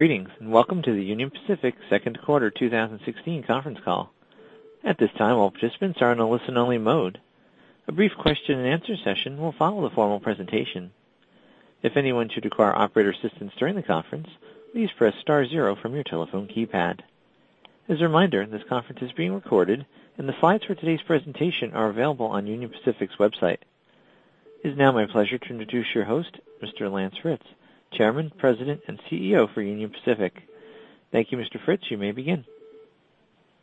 Greetings. Welcome to the Union Pacific second quarter 2016 conference call. At this time, all participants are in a listen-only mode. A brief question-and-answer session will follow the formal presentation. If anyone should require operator assistance during the conference, please press star zero from your telephone keypad. As a reminder, this conference is being recorded, and the slides for today's presentation are available on Union Pacific's website. It is now my pleasure to introduce your host, Mr. Lance Fritz, Chairman, President, and CEO for Union Pacific. Thank you, Mr. Fritz. You may begin.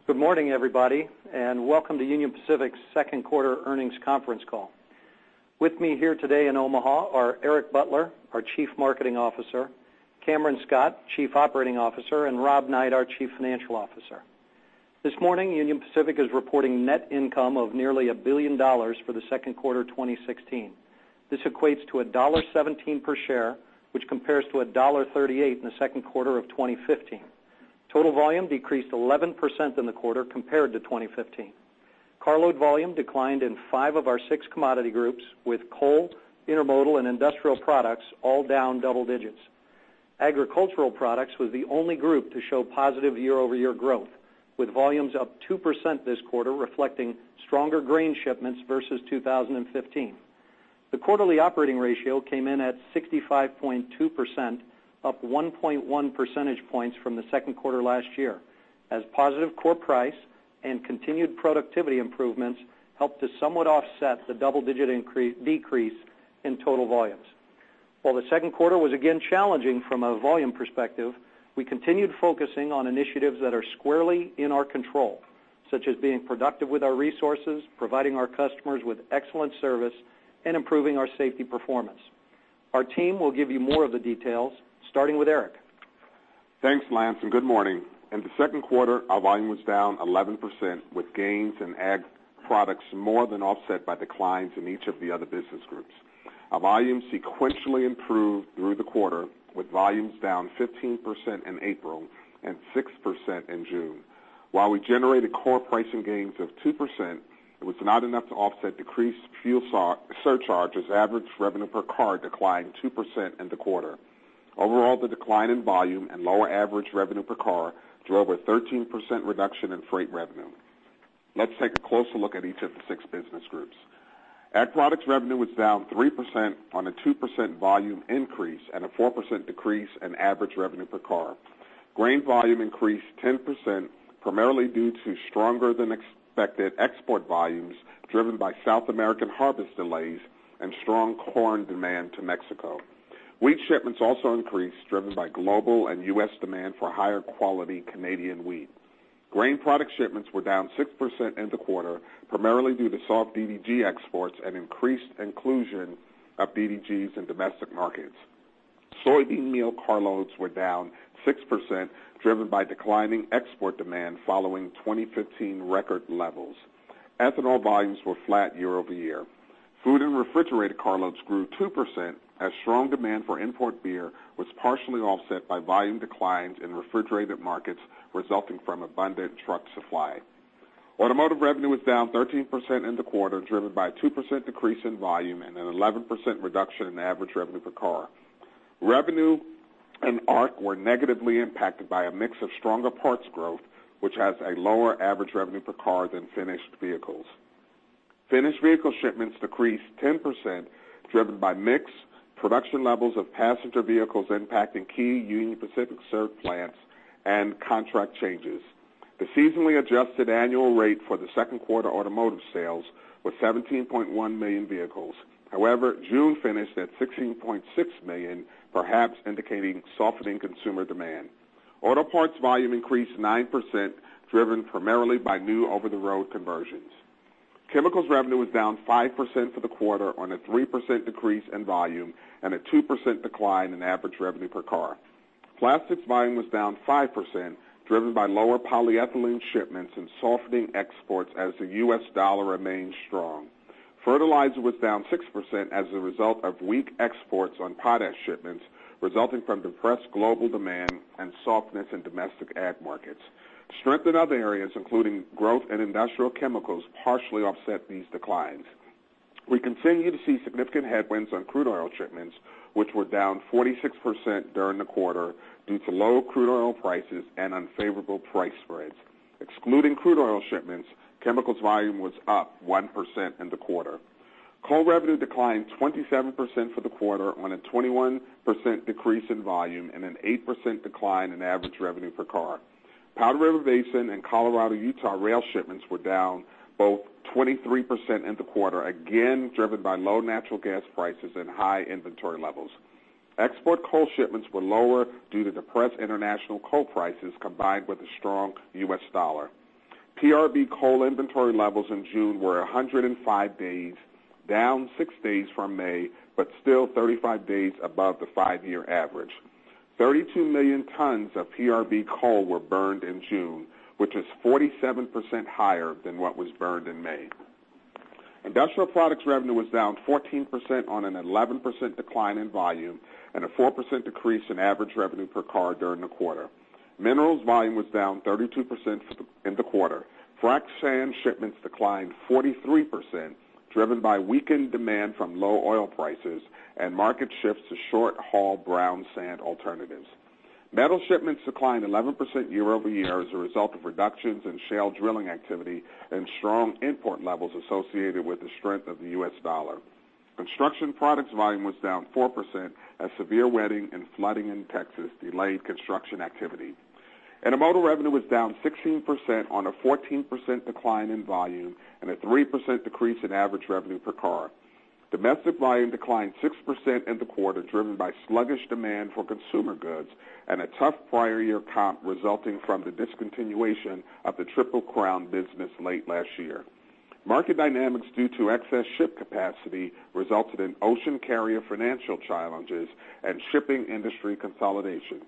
Good morning, everybody. Welcome to Union Pacific's second quarter earnings conference call. With me here today in Omaha are Eric Butler, our Chief Marketing Officer, Cameron Scott, Chief Operating Officer, and Rob Knight, our Chief Financial Officer. This morning, Union Pacific is reporting net income of nearly $1 billion for the second quarter 2016. This equates to $1.17 per share, which compares to $1.38 in the second quarter of 2015. Total volume decreased 11% in the quarter compared to 2015. Carload volume declined in five of our six commodity groups, with coal, intermodal, and industrial products all down double digits. Agricultural products was the only group to show positive year-over-year growth, with volumes up 2% this quarter reflecting stronger grain shipments versus 2015. The quarterly operating ratio came in at 65.2%, up 1.1 percentage points from the second quarter last year, as positive core price and continued productivity improvements helped to somewhat offset the double-digit decrease in total volumes. While the second quarter was again challenging from a volume perspective, we continued focusing on initiatives that are squarely in our control, such as being productive with our resources, providing our customers with excellent service, and improving our safety performance. Our team will give you more of the details, starting with Eric. Thanks, Lance. Good morning. In the second quarter, our volume was down 11%, with gains in Ag products more than offset by declines in each of the other business groups. Our volume sequentially improved through the quarter, with volumes down 15% in April and 6% in June. While we generated core pricing gains of 2%, it was not enough to offset decreased fuel surcharges, average revenue per car declined 2% in the quarter. Overall, the decline in volume and lower average revenue per car drove a 13% reduction in freight revenue. Let's take a closer look at each of the six business groups. Ag products revenue was down 3% on a 2% volume increase and a 4% decrease in average revenue per car. Grain volume increased 10%, primarily due to stronger than expected export volumes, driven by South American harvest delays and strong corn demand to Mexico. Wheat shipments also increased, driven by global and U.S. demand for higher quality Canadian wheat. Grain product shipments were down 6% in the quarter, primarily due to soft DDG exports and increased inclusion of DDGs in domestic markets. Soybean meal carloads were down 6%, driven by declining export demand following 2015 record levels. Ethanol volumes were flat year-over-year. Food and refrigerated carloads grew 2% as strong demand for import beer was partially offset by volume declines in refrigerated markets resulting from abundant truck supply. Automotive revenue was down 13% in the quarter, driven by a 2% decrease in volume and an 11% reduction in average revenue per car. Revenue and ARC were negatively impacted by a mix of stronger parts growth, which has a lower average revenue per car than finished vehicles. Finished vehicle shipments decreased 10%, driven by mix, production levels of passenger vehicles impacting key Union Pacific served plants, and contract changes. The seasonally adjusted annual rate for the second quarter automotive sales was 17.1 million vehicles. June finished at 16.6 million, perhaps indicating softening consumer demand. Auto parts volume increased 9%, driven primarily by new over-the-road conversions. Chemicals revenue was down 5% for the quarter on a 3% decrease in volume and a 2% decline in average revenue per car. Plastics volume was down 5%, driven by lower polyethylene shipments and softening exports as the U.S. dollar remains strong. Fertilizer was down 6% as a result of weak exports on potash shipments, resulting from depressed global demand and softness in domestic ag markets. Strength in other areas, including growth in industrial chemicals, partially offset these declines. We continue to see significant headwinds on crude oil shipments, which were down 46% during the quarter due to low crude oil prices and unfavorable price spreads. Excluding crude oil shipments, chemicals volume was up 1% in the quarter. Coal revenue declined 27% for the quarter on a 21% decrease in volume and an 8% decline in average revenue per car. Powder River Basin and Colorado-Utah rail shipments were down both 23% in the quarter, again driven by low natural gas prices and high inventory levels. Export coal shipments were lower due to depressed international coal prices combined with a strong U.S. dollar. PRB coal inventory levels in June were 105 days, down six days from May, but still 35 days above the five-year average. 32 million tons of PRB coal were burned in June, which is 47% higher than what was burned in May. Industrial products revenue was down 14% on an 11% decline in volume and a 4% decrease in average revenue per car during the quarter. Minerals volume was down 32% in the quarter. Frac sand shipments declined 43%, driven by weakened demand from low oil prices and market shifts to short-haul brown sand alternatives. Metal shipments declined 11% year-over-year as a result of reductions in shale drilling activity and strong import levels associated with the strength of the U.S. dollar. Construction products volume was down 4% as severe wetting and flooding in Texas delayed construction activity. Intermodal revenue was down 16% on a 14% decline in volume and a 3% decrease in average revenue per car. Domestic volume declined 6% in the quarter, driven by sluggish demand for consumer goods and a tough prior year comp resulting from the discontinuation of the Triple Crown business late last year. Market dynamics due to excess ship capacity resulted in ocean carrier financial challenges and shipping industry consolidation.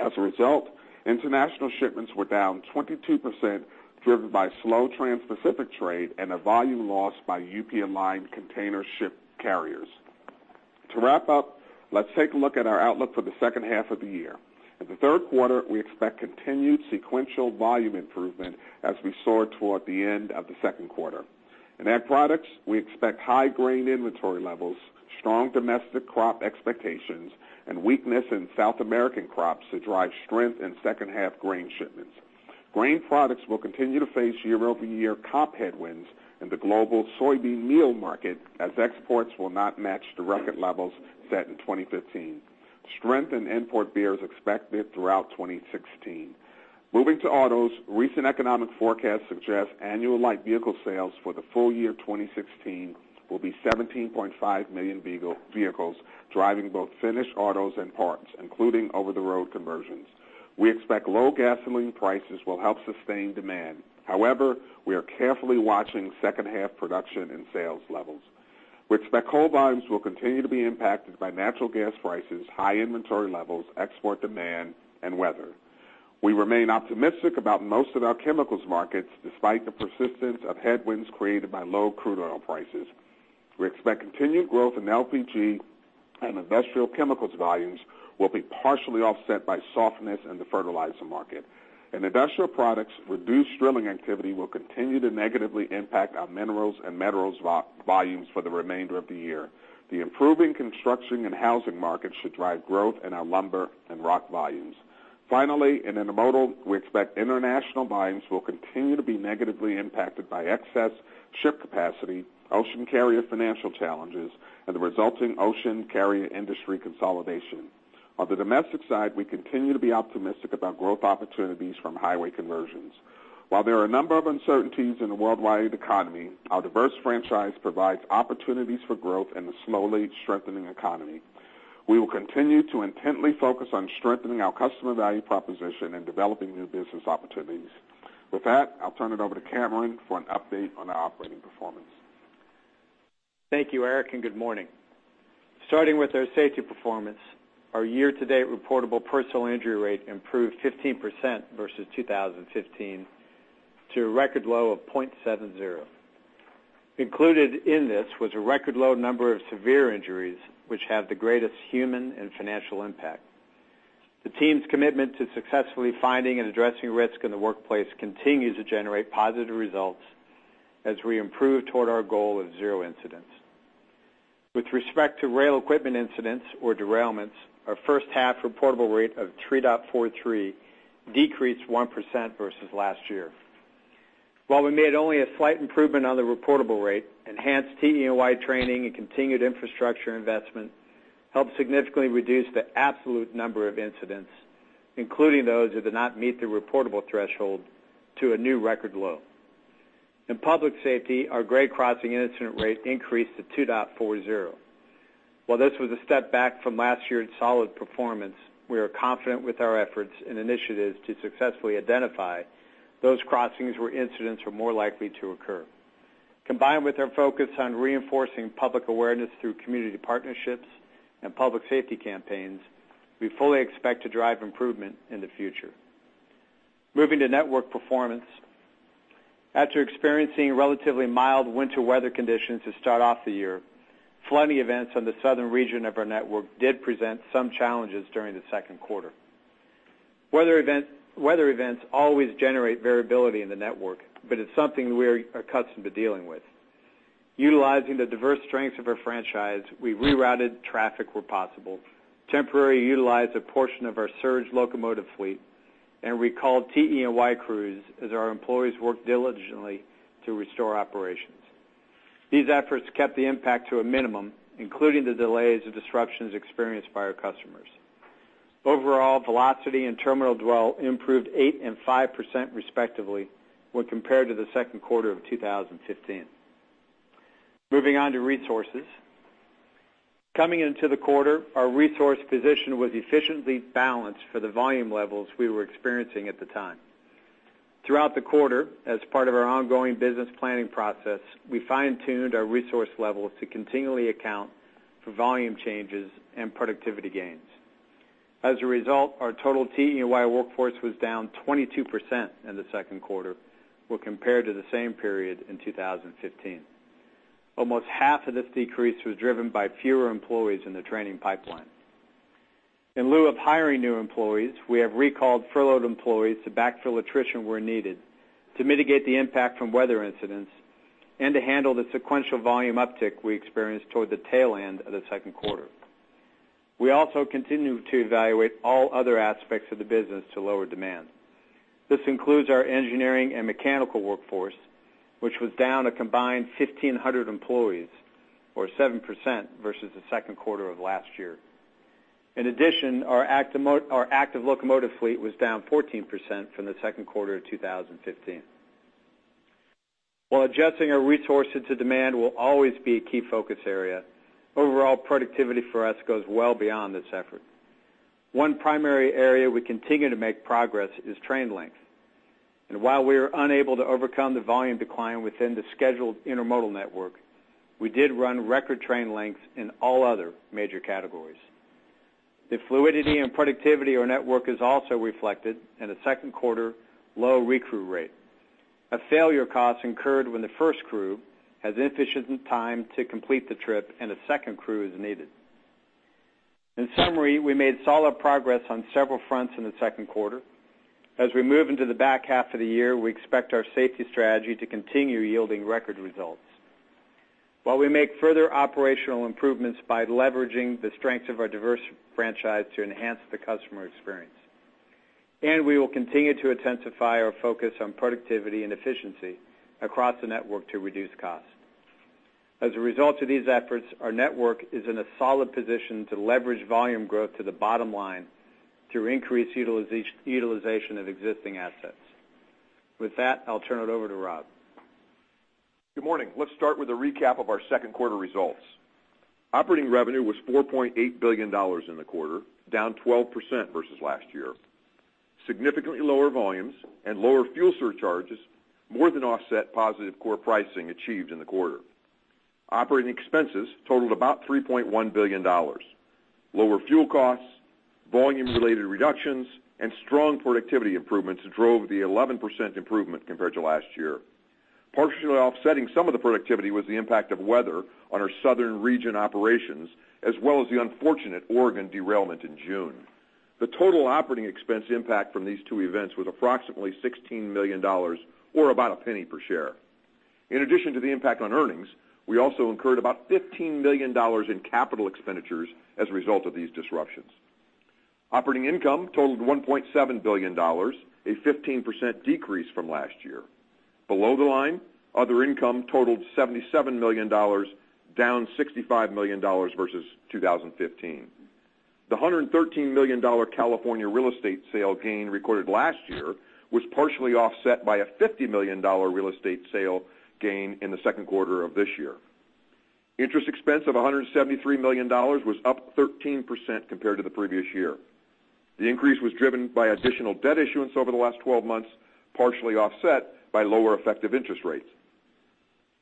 As a result, international shipments were down 22%, driven by slow Trans-Pacific trade and a volume loss by UP-aligned container ship carriers. To wrap up, let's take a look at our outlook for the second half of the year. In the third quarter, we expect continued sequential volume improvement as we saw toward the end of the second quarter. In Ag Products, we expect high grain inventory levels, strong domestic crop expectations, and weakness in South American crops to drive strength in second half grain shipments. Grain products will continue to face year-over-year comp headwinds in the global soybean meal market as exports will not match the record levels set in 2015. Strength in import beer is expected throughout 2016. Moving to autos, recent economic forecasts suggest annual light vehicle sales for the full year 2016 will be 17.5 million vehicles, driving both finished autos and parts, including over-the-road conversions. We expect low gasoline prices will help sustain demand. However, we are carefully watching second half production and sales levels. We expect coal volumes will continue to be impacted by natural gas prices, high inventory levels, export demand, and weather. We remain optimistic about most of our chemicals markets, despite the persistence of headwinds created by low crude oil prices. We expect continued growth in LPG and industrial chemicals volumes will be partially offset by softness in the fertilizer market. In Industrial Products, reduced drilling activity will continue to negatively impact our minerals and metals volumes for the remainder of the year. The improving construction and housing market should drive growth in our lumber and rock volumes. Finally, in Intermodal, we expect international volumes will continue to be negatively impacted by excess ship capacity, ocean carrier financial challenges, and the resulting ocean carrier industry consolidation. On the domestic side, we continue to be optimistic about growth opportunities from highway conversions. While there are a number of uncertainties in the worldwide economy, our diverse franchise provides opportunities for growth in the slowly strengthening economy. We will continue to intently focus on strengthening our customer value proposition and developing new business opportunities. With that, I'll turn it over to Cameron for an update on our operating performance. Thank you, Eric, and good morning. Starting with our safety performance, our year-to-date reportable personal injury rate improved 15% versus 2015 to a record low of 0.70. Included in this was a record low number of severe injuries, which have the greatest human and financial impact. The team's commitment to successfully finding and addressing risk in the workplace continues to generate positive results as we improve toward our goal of zero incidents. With respect to rail equipment incidents or derailments, our first half reportable rate of 3.43 decreased 1% versus last year. While we made only a slight improvement on the reportable rate, enhanced TE&Y training and continued infrastructure investment helped significantly reduce the absolute number of incidents, including those that did not meet the reportable threshold to a new record low. In public safety, our grade crossing incident rate increased to 2.40. While this was a step back from last year's solid performance, we are confident with our efforts and initiatives to successfully identify those crossings where incidents are more likely to occur. Combined with our focus on reinforcing public awareness through community partnerships and public safety campaigns, we fully expect to drive improvement in the future. Moving to network performance. After experiencing relatively mild winter weather conditions to start off the year, flooding events on the southern region of our network did present some challenges during the second quarter. Weather events always generate variability in the network, but it's something we're accustomed to dealing with. Utilizing the diverse strengths of our franchise, we rerouted traffic where possible, temporarily utilized a portion of our surge locomotive fleet, and recalled TE&Y crews as our employees worked diligently to restore operations. These efforts kept the impact to a minimum, including the delays and disruptions experienced by our customers. Overall, velocity and terminal dwell improved 8% and 5% respectively when compared to the second quarter of 2015. Moving on to resources. Coming into the quarter, our resource position was efficiently balanced for the volume levels we were experiencing at the time. Throughout the quarter, as part of our ongoing business planning process, we fine-tuned our resource levels to continually account for volume changes and productivity gains. As a result, our total TE&Y workforce was down 22% in the second quarter when compared to the same period in 2015. Almost half of this decrease was driven by fewer employees in the training pipeline. In lieu of hiring new employees, we have recalled furloughed employees to backfill attrition where needed, to mitigate the impact from weather incidents, and to handle the sequential volume uptick we experienced toward the tail end of the second quarter. We also continue to evaluate all other aspects of the business to lower demand. This includes our engineering and mechanical workforce, which was down a combined 1,500 employees or 7% versus the second quarter of last year. In addition, our active locomotive fleet was down 14% from the second quarter of 2015. While adjusting our resources to demand will always be a key focus area, overall productivity for us goes well beyond this effort. One primary area we continue to make progress is train length. While we are unable to overcome the volume decline within the scheduled intermodal network, we did run record train lengths in all other major categories. The fluidity and productivity of our network is also reflected in the second quarter low recrew rate, a failure cost incurred when the first crew has insufficient time to complete the trip and a second crew is needed. In summary, we made solid progress on several fronts in the second quarter. As we move into the back half of the year, we expect our safety strategy to continue yielding record results while we make further operational improvements by leveraging the strengths of our diverse franchise to enhance the customer experience. We will continue to intensify our focus on productivity and efficiency across the network to reduce costs. As a result of these efforts, our network is in a solid position to leverage volume growth to the bottom line to increase utilization of existing assets. With that, I'll turn it over to Rob. Good morning. Let's start with a recap of our second quarter results. Operating revenue was $4.8 billion in the quarter, down 12% versus last year. Significantly lower volumes and lower fuel surcharges more than offset positive core pricing achieved in the quarter. Operating expenses totaled about $3.1 billion. Lower fuel costs, volume-related reductions, and strong productivity improvements drove the 11% improvement compared to last year. Partially offsetting some of the productivity was the impact of weather on our southern region operations, as well as the unfortunate Oregon derailment in June. The total operating expense impact from these two events was approximately $16 million or about $0.01 per share. In addition to the impact on earnings, we also incurred about $15 million in capital expenditures as a result of these disruptions. Operating income totaled $1.7 billion, a 15% decrease from last year. Below the line, other income totaled $77 million, down $65 million versus 2015. The $113 million California real estate sale gain recorded last year was partially offset by a $50 million real estate sale gain in the second quarter of this year. Interest expense of $173 million was up 13% compared to the previous year. The increase was driven by additional debt issuance over the last 12 months, partially offset by lower effective interest rates.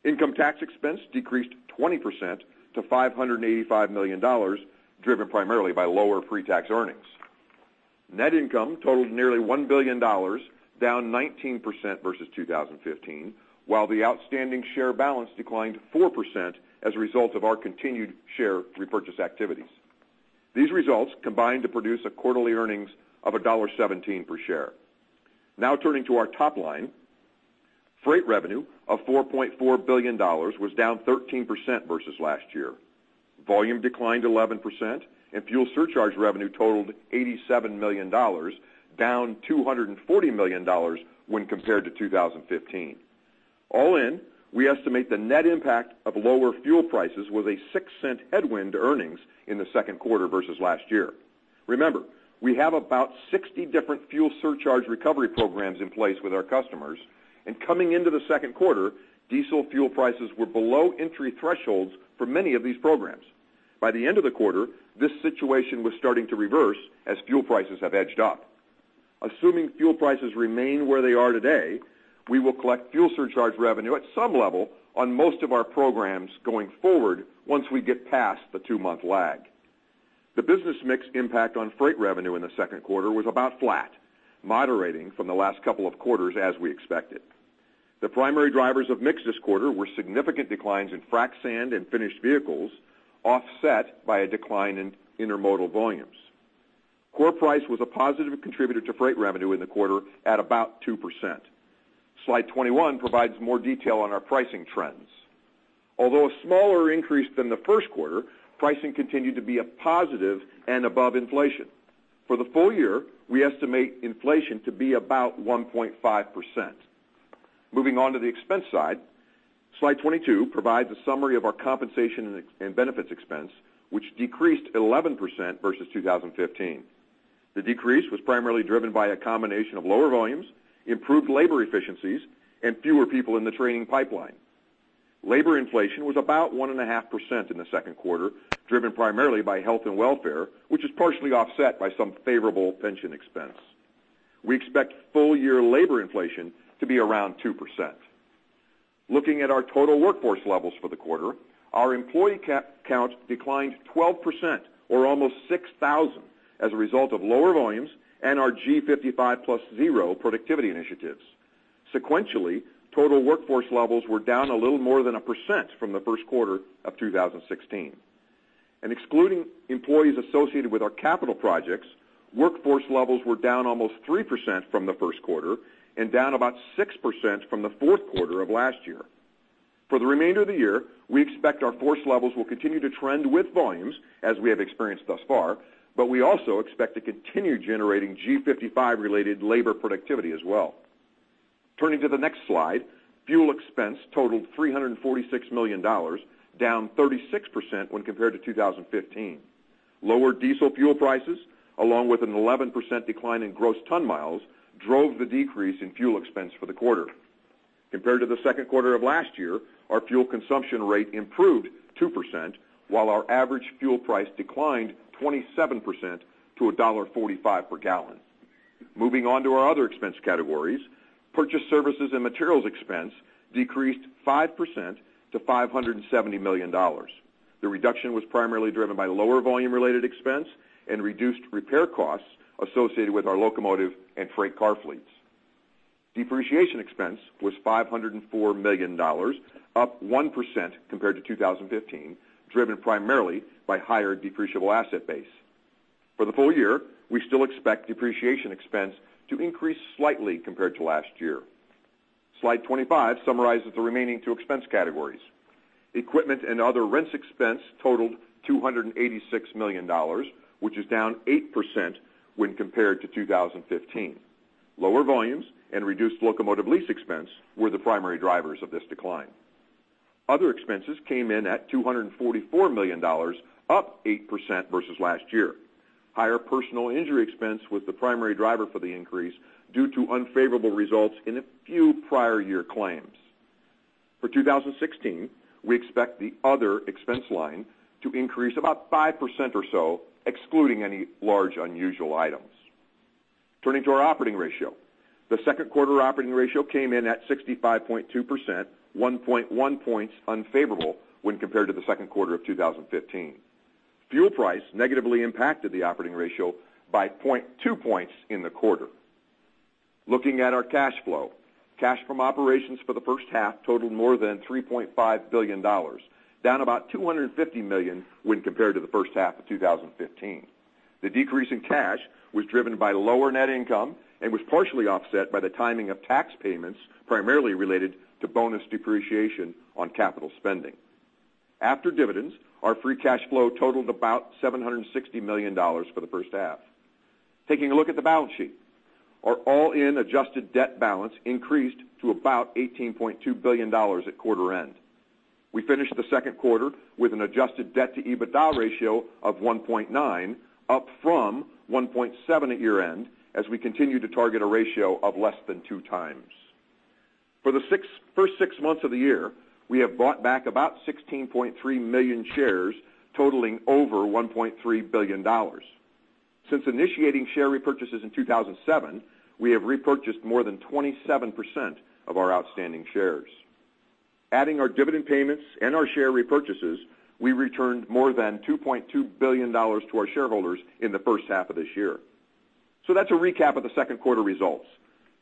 Income tax expense decreased 20% to $585 million, driven primarily by lower pre-tax earnings. Net income totaled nearly $1 billion, down 19% versus 2015, while the outstanding share balance declined 4% as a result of our continued share repurchase activities. These results combined to produce a quarterly earnings of $1.17 per share. Turning to our top line. Freight revenue of $4.4 billion was down 13% versus last year. Volume declined 11%. Fuel surcharge revenue totaled $87 million, down $240 million when compared to 2015. All in, we estimate the net impact of lower fuel prices was a $0.06 headwind to earnings in the second quarter versus last year. Remember, we have about 60 different fuel surcharge recovery programs in place with our customers. Coming into the second quarter, diesel fuel prices were below entry thresholds for many of these programs. By the end of the quarter, this situation was starting to reverse as fuel prices have edged up. Assuming fuel prices remain where they are today, we will collect fuel surcharge revenue at some level on most of our programs going forward once we get past the two-month lag. The business mix impact on freight revenue in the second quarter was about flat, moderating from the last couple of quarters as we expected. The primary drivers of mix this quarter were significant declines in frac sand and finished vehicles, offset by a decline in intermodal volumes. Core price was a positive contributor to freight revenue in the quarter at about 2%. Slide 21 provides more detail on our pricing trends. Although a smaller increase than the first quarter, pricing continued to be a positive and above inflation. For the full year, we estimate inflation to be about 1.5%. Moving on to the expense side. Slide 22 provides a summary of our compensation and benefits expense, which decreased 11% versus 2015. The decrease was primarily driven by a combination of lower volumes, improved labor efficiencies, and fewer people in the training pipeline. Labor inflation was about 1.5% in the second quarter, driven primarily by health and welfare, which is partially offset by some favorable pension expense. We expect full-year labor inflation to be around 2%. Looking at our total workforce levels for the quarter Our employee count declined 12%, or almost 6,000, as a result of lower volumes and our G55 + 0 productivity initiatives. Sequentially, total workforce levels were down a little more than a percent from the first quarter of 2016. Excluding employees associated with our capital projects, workforce levels were down almost 3% from the first quarter and down about 6% from the fourth quarter of last year. For the remainder of the year, we expect our force levels will continue to trend with volumes, as we have experienced thus far, but we also expect to continue generating G55-related labor productivity as well. Turning to the next slide, fuel expense totaled $346 million, down 36% when compared to 2015. Lower diesel fuel prices, along with an 11% decline in gross ton miles, drove the decrease in fuel expense for the quarter. Compared to the second quarter of last year, our fuel consumption rate improved 2%, while our average fuel price declined 27% to $1.45 per gallon. Moving on to our other expense categories, purchase services and materials expense decreased 5% to $570 million. The reduction was primarily driven by lower volume-related expense and reduced repair costs associated with our locomotive and freight car fleets. Depreciation expense was $504 million, up 1% compared to 2015, driven primarily by higher depreciable asset base. For the full year, we still expect depreciation expense to increase slightly compared to last year. Slide 25 summarizes the remaining two expense categories. Equipment and other rents expense totaled $286 million, which is down 8% when compared to 2015. Lower volumes and reduced locomotive lease expense were the primary drivers of this decline. Other expenses came in at $244 million, up 8% versus last year. Higher personal injury expense was the primary driver for the increase due to unfavorable results in a few prior year claims. For 2016, we expect the other expense line to increase about 5% or so, excluding any large, unusual items. Turning to our operating ratio. The second quarter operating ratio came in at 65.2%, 1.1 points unfavorable when compared to the second quarter of 2015. Fuel price negatively impacted the operating ratio by 0.2 points in the quarter. Looking at our cash flow. Cash from operations for the first half totaled more than $3.5 billion, down about $250 million when compared to the first half of 2015. The decrease in cash was driven by lower net income and was partially offset by the timing of tax payments, primarily related to bonus depreciation on capital spending. After dividends, our free cash flow totaled about $760 million for the first half. Taking a look at the balance sheet. Our all-in adjusted debt balance increased to about $18.2 billion at quarter-end. We finished the second quarter with an adjusted debt to EBITDA ratio of 1.9, up from 1.7 at year-end, as we continue to target a ratio of less than two times. For the first six months of the year, we have bought back about 16.3 million shares, totaling over $1.3 billion. Since initiating share repurchases in 2007, we have repurchased more than 27% of our outstanding shares. Adding our dividend payments and our share repurchases, we returned more than $2.2 billion to our shareholders in the first half of this year. That's a recap of the second quarter results.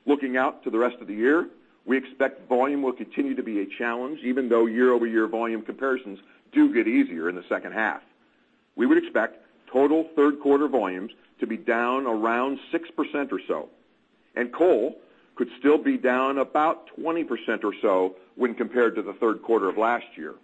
Looking out to the rest of the year, we expect volume will continue to be a challenge, even though year-over-year volume comparisons do get easier in the second half. We would expect total third quarter volumes to be down around 6% or so, and coal could still be down about 20% or so when compared to the third quarter of last year.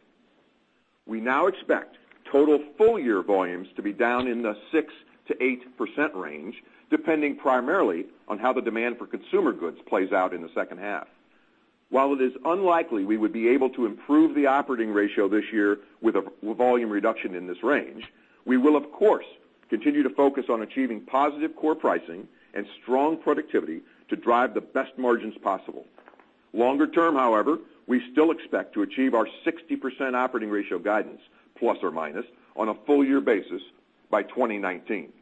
We now expect total full-year volumes to be down in the 6%-8% range, depending primarily on how the demand for consumer goods plays out in the second half. While it is unlikely we would be able to improve the operating ratio this year with a volume reduction in this range, we will, of course, continue to focus on achieving positive core pricing and strong productivity to drive the best margins possible. Longer term, however, we still expect to achieve our 60% operating ratio guidance, plus or minus, on a full-year basis by 2019.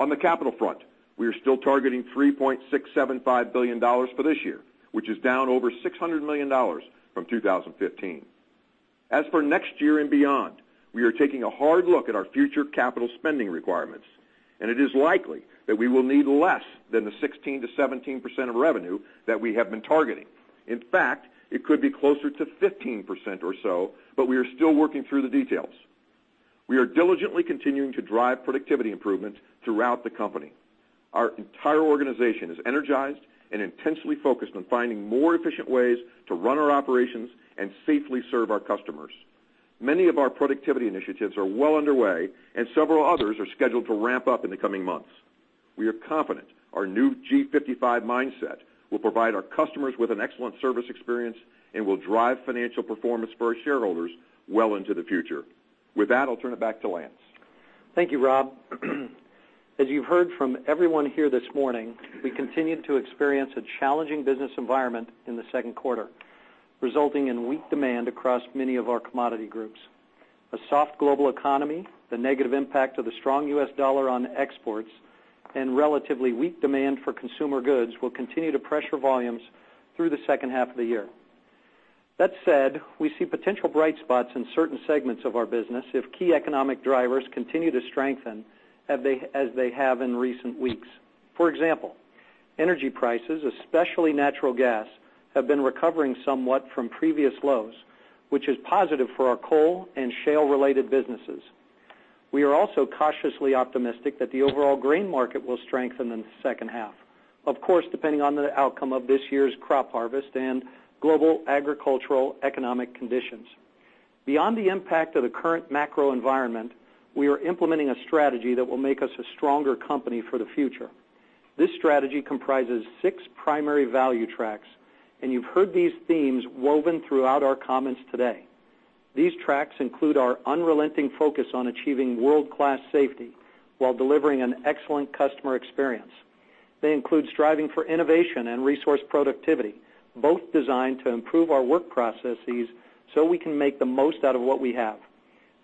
On the capital front, we are still targeting $3.675 billion for this year, which is down over $600 million from 2015. As for next year and beyond, we are taking a hard look at our future capital spending requirements, and it is likely that we will need less than the 16%-17% of revenue that we have been targeting. In fact, it could be closer to 15% or so, but we are still working through the details. We are diligently continuing to drive productivity improvement throughout the company. Our entire organization is energized and intensely focused on finding more efficient ways to run our operations and safely serve our customers. Many of our productivity initiatives are well underway and several others are scheduled to ramp up in the coming months. We are confident our new G55 mindset will provide our customers with an excellent service experience and will drive financial performance for our shareholders well into the future. With that, I'll turn it back to Lance. Thank you, Rob. As you've heard from everyone here this morning, we continued to experience a challenging business environment in the second quarter, resulting in weak demand across many of our commodity groups. A soft global economy, the negative impact of the strong US dollar on exports, and relatively weak demand for consumer goods will continue to pressure volumes through the second half of the year. That said, we see potential bright spots in certain segments of our business if key economic drivers continue to strengthen as they have in recent weeks. For example, energy prices, especially natural gas, have been recovering somewhat from previous lows, which is positive for our coal and shale-related businesses. We are also cautiously optimistic that the overall grain market will strengthen in the second half, of course, depending on the outcome of this year's crop harvest and global agricultural economic conditions. Beyond the impact of the current macro environment, we are implementing a strategy that will make us a stronger company for the future. This strategy comprises six primary value tracks, you've heard these themes woven throughout our comments today. These tracks include our unrelenting focus on achieving world-class safety while delivering an excellent customer experience. They include striving for innovation and resource productivity, both designed to improve our work processes so we can make the most out of what we have.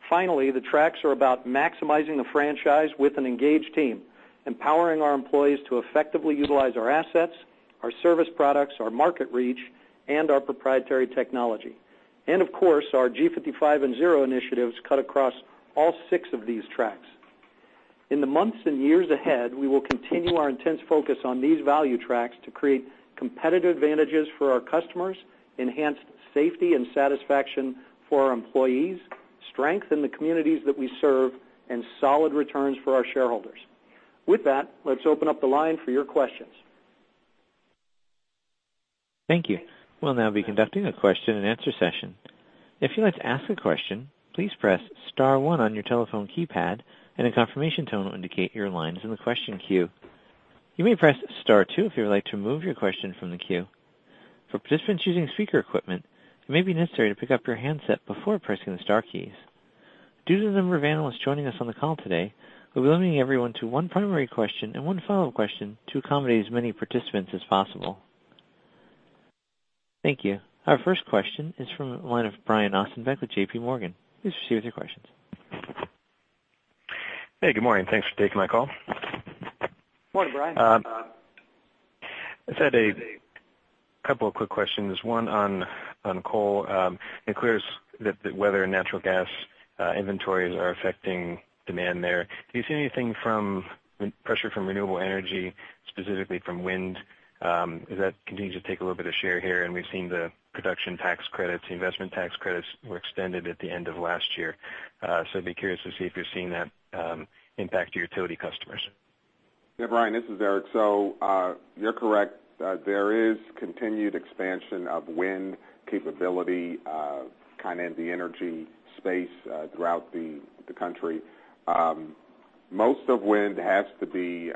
Finally, the tracks are about maximizing the franchise with an engaged team, empowering our employees to effectively utilize our assets, our service products, our market reach, and our proprietary technology. Of course, our G55 and Zero initiatives cut across all six of these tracks. In the months and years ahead, we will continue our intense focus on these value tracks to create competitive advantages for our customers, enhance safety and satisfaction for our employees, strength in the communities that we serve, and solid returns for our shareholders. With that, let's open up the line for your questions. Thank you. We'll now be conducting a question and answer session. If you'd like to ask a question, please press * one on your telephone keypad, and a confirmation tone will indicate your line is in the question queue. You may press * two if you would like to remove your question from the queue. For participants using speaker equipment, it may be necessary to pick up your handset before pressing the star keys. Due to the number of analysts joining us on the call today, we'll be limiting everyone to one primary question and one follow-up question to accommodate as many participants as possible. Thank you. Our first question is from the line of Brian Ossenbeck with JPMorgan. Please proceed with your questions. Hey, good morning. Thanks for taking my call. Morning, Brian. Just had a couple of quick questions, one on coal. It clears that whether natural gas inventories are affecting demand there. Do you see anything from pressure from renewable energy, specifically from wind, as that continues to take a little bit of share here? We've seen the Production Tax Credit, the Investment Tax Credit were extended at the end of last year. I'd be curious to see if you're seeing that impact your utility customers. Brian, this is Eric. You're correct. There is continued expansion of wind capability kind of in the energy space throughout the country. Most of wind has to be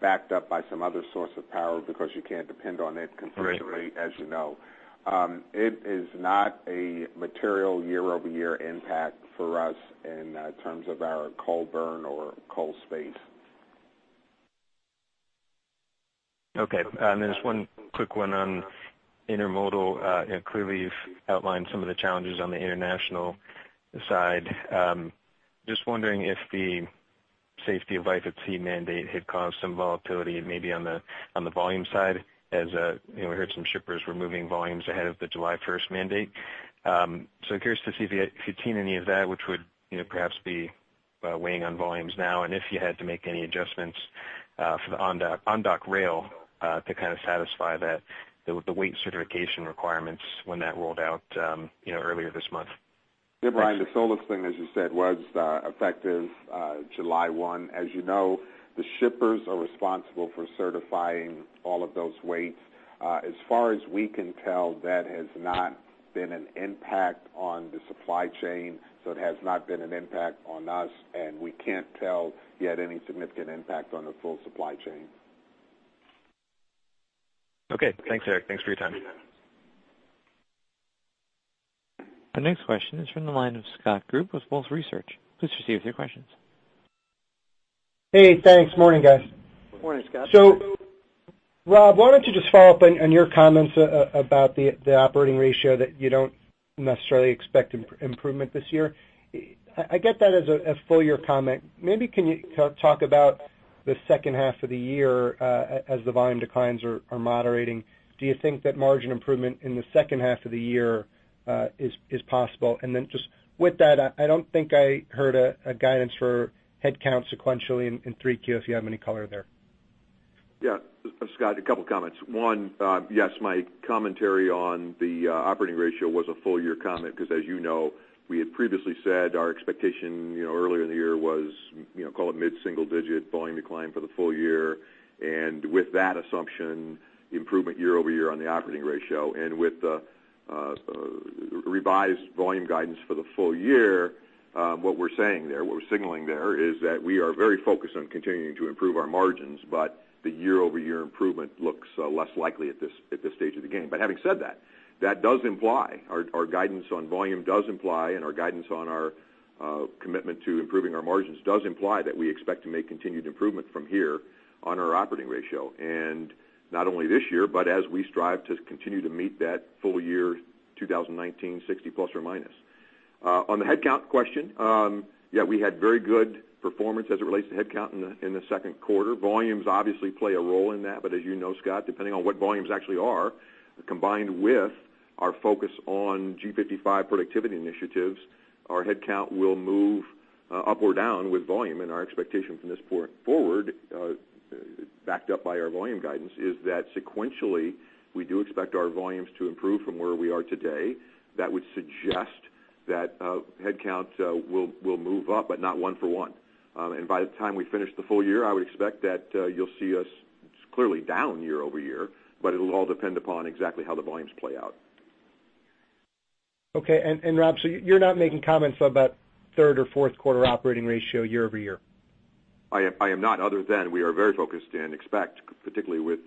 backed up by some other source of power because you can't depend on it consistently, as you know. It is not a material year-over-year impact for us in terms of our coal burn or coal space. Okay. There's one quick one on intermodal. Clearly, you've outlined some of the challenges on the international side. Just wondering if the Safety of Life at Sea mandate had caused some volatility maybe on the volume side, as we heard some shippers were moving volumes ahead of the July 1st mandate. Curious to see if you've seen any of that, which would perhaps be weighing on volumes now, and if you had to make any adjustments for the on-dock rail to kind of satisfy the weight certification requirements when that rolled out earlier this month. Yeah, Brian, the SOLAS thing, as you said, was effective July 1. As you know, the shippers are responsible for certifying all of those weights. As far as we can tell, that has not been an impact on the supply chain, so it has not been an impact on us, and we can't tell yet any significant impact on the full supply chain. Okay. Thanks, Eric. Thanks for your time. Our next question is from the line of Scott Group with Wolfe Research. Please proceed with your questions. Hey, thanks. Morning, guys. Morning, Scott. Rob, why don't you just follow up on your comments about the operating ratio that you don't necessarily expect improvement this year. I get that as a full year comment. Maybe can you talk about the second half of the year as the volume declines are moderating. Do you think that margin improvement in the second half of the year is possible? Just with that, I don't think I heard a guidance for headcount sequentially in 3Q, if you have any color there. Scott, a couple of comments. One, yes, my commentary on the operating ratio was a full year comment because as you know, we had previously said our expectation earlier in the year was, call it mid-single digit volume decline for the full year. With that assumption, improvement year-over-year on the operating ratio and with the revised volume guidance for the full year, what we're saying there, what we're signaling there is that we are very focused on continuing to improve our margins, the year-over-year improvement looks less likely at this stage of the game. Having said that does imply, our guidance on volume does imply, our guidance on our commitment to improving our margins does imply that we expect to make continued improvement from here on our operating ratio. Not only this year, but as we strive to continue to meet that full year 2019, 60 ±. On the headcount question, yeah, we had very good performance as it relates to headcount in the second quarter. Volumes obviously play a role in that, but as you know, Scott, depending on what volumes actually are, combined with our focus on G55 productivity initiatives, our headcount will move up or down with volume. Our expectation from this point forward, backed up by our volume guidance, is that sequentially, we do expect our volumes to improve from where we are today. That would suggest that headcount will move up, but not one for one. By the time we finish the full year, I would expect that you'll see us clearly down year-over-year, but it'll all depend upon exactly how the volumes play out. Okay. Rob, you're not making comments about third or fourth quarter operating ratio year-over-year? I am not, other than we are very focused and expect, particularly with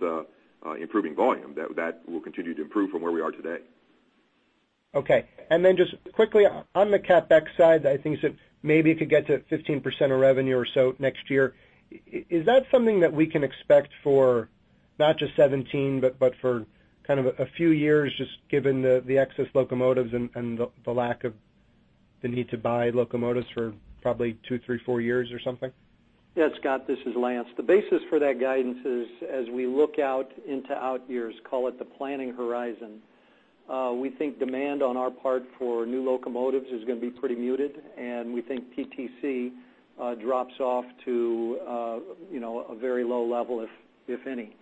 improving volume, that will continue to improve from where we are today. Okay. Just quickly, on the CapEx side, I think you said maybe it could get to 15% of revenue or so next year. Is that something that we can expect for not just 2017, but for kind of a few years, just given the excess locomotives and the lack of the need to buy locomotives for probably two, three, four years or something? Yeah, Scott, this is Lance. The basis for that guidance is as we look out into out years, call it the planning horizon, we think demand on our part for new locomotives is going to be pretty muted, we think PTC drops off to a very low level, if any.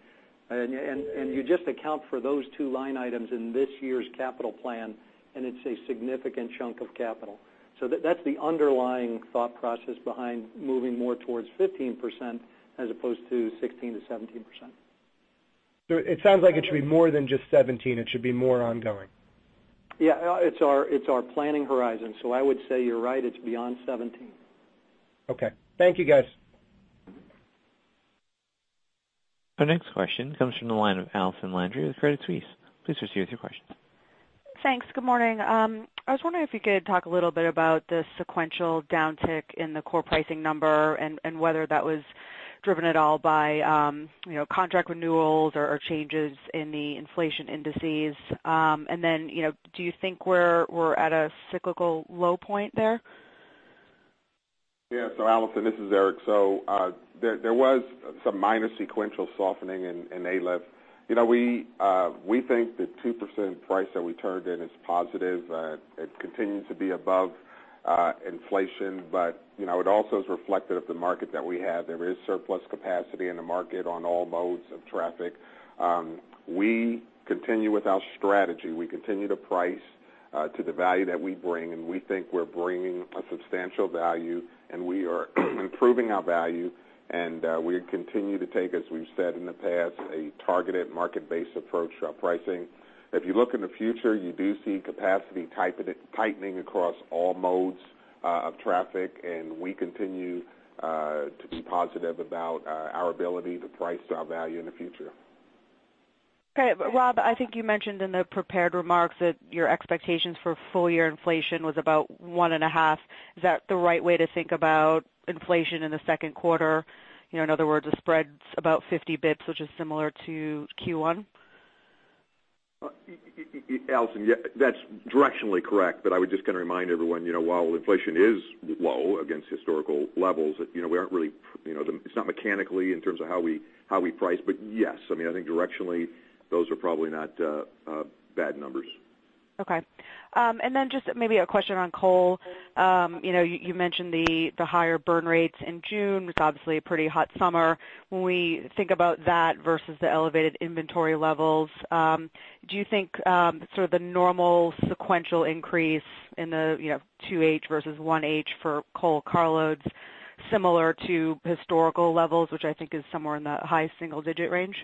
You just account for those two line items in this year's capital plan, and it's a significant chunk of capital. That's the underlying thought process behind moving more towards 15% as opposed to 16%-17%. It sounds like it should be more than just 17%. It should be more ongoing. Yeah. It's our planning horizon. I would say you're right. It's beyond 2017. Okay. Thank you, guys. Our next question comes from the line of Allison Landry with Credit Suisse. Please proceed with your question. Thanks. Good morning. I was wondering if you could talk a little bit about the sequential downtick in the core pricing number and whether that was driven at all by contract renewals or changes in the inflation indices. Do you think we're at a cyclical low point there? Yeah. Allison, this is Eric. There was some minor sequential softening in ALIF. We think the 2% price that we turned in is positive. It continues to be above inflation, but it also is reflective of the market that we have. There is surplus capacity in the market on all modes of traffic. We continue with our strategy. We continue to price to the value that we bring, and we think we're bringing a substantial value, and we are improving our value, and we continue to take, as we've said in the past, a targeted market-based approach to our pricing. If you look in the future, you do see capacity tightening across all modes of traffic, and we continue to be positive about our ability to price to our value in the future. Okay. Rob, I think you mentioned in the prepared remarks that your expectations for full year inflation was about one and a half. Is that the right way to think about inflation in the second quarter, in other words, the spread's about 50 basis points, which is similar to Q1? Allison, that's directionally correct. I was just going to remind everyone, while inflation is low against historical levels, it's not mechanically in terms of how we price. Yes. I think directionally, those are probably not bad numbers. Okay. Just maybe a question on coal. You mentioned the higher burn rates in June. It's obviously a pretty hot summer. When we think about that versus the elevated inventory levels, do you think sort of the normal sequential increase in the 2H versus 1H for coal carloads similar to historical levels, which I think is somewhere in the high single-digit range?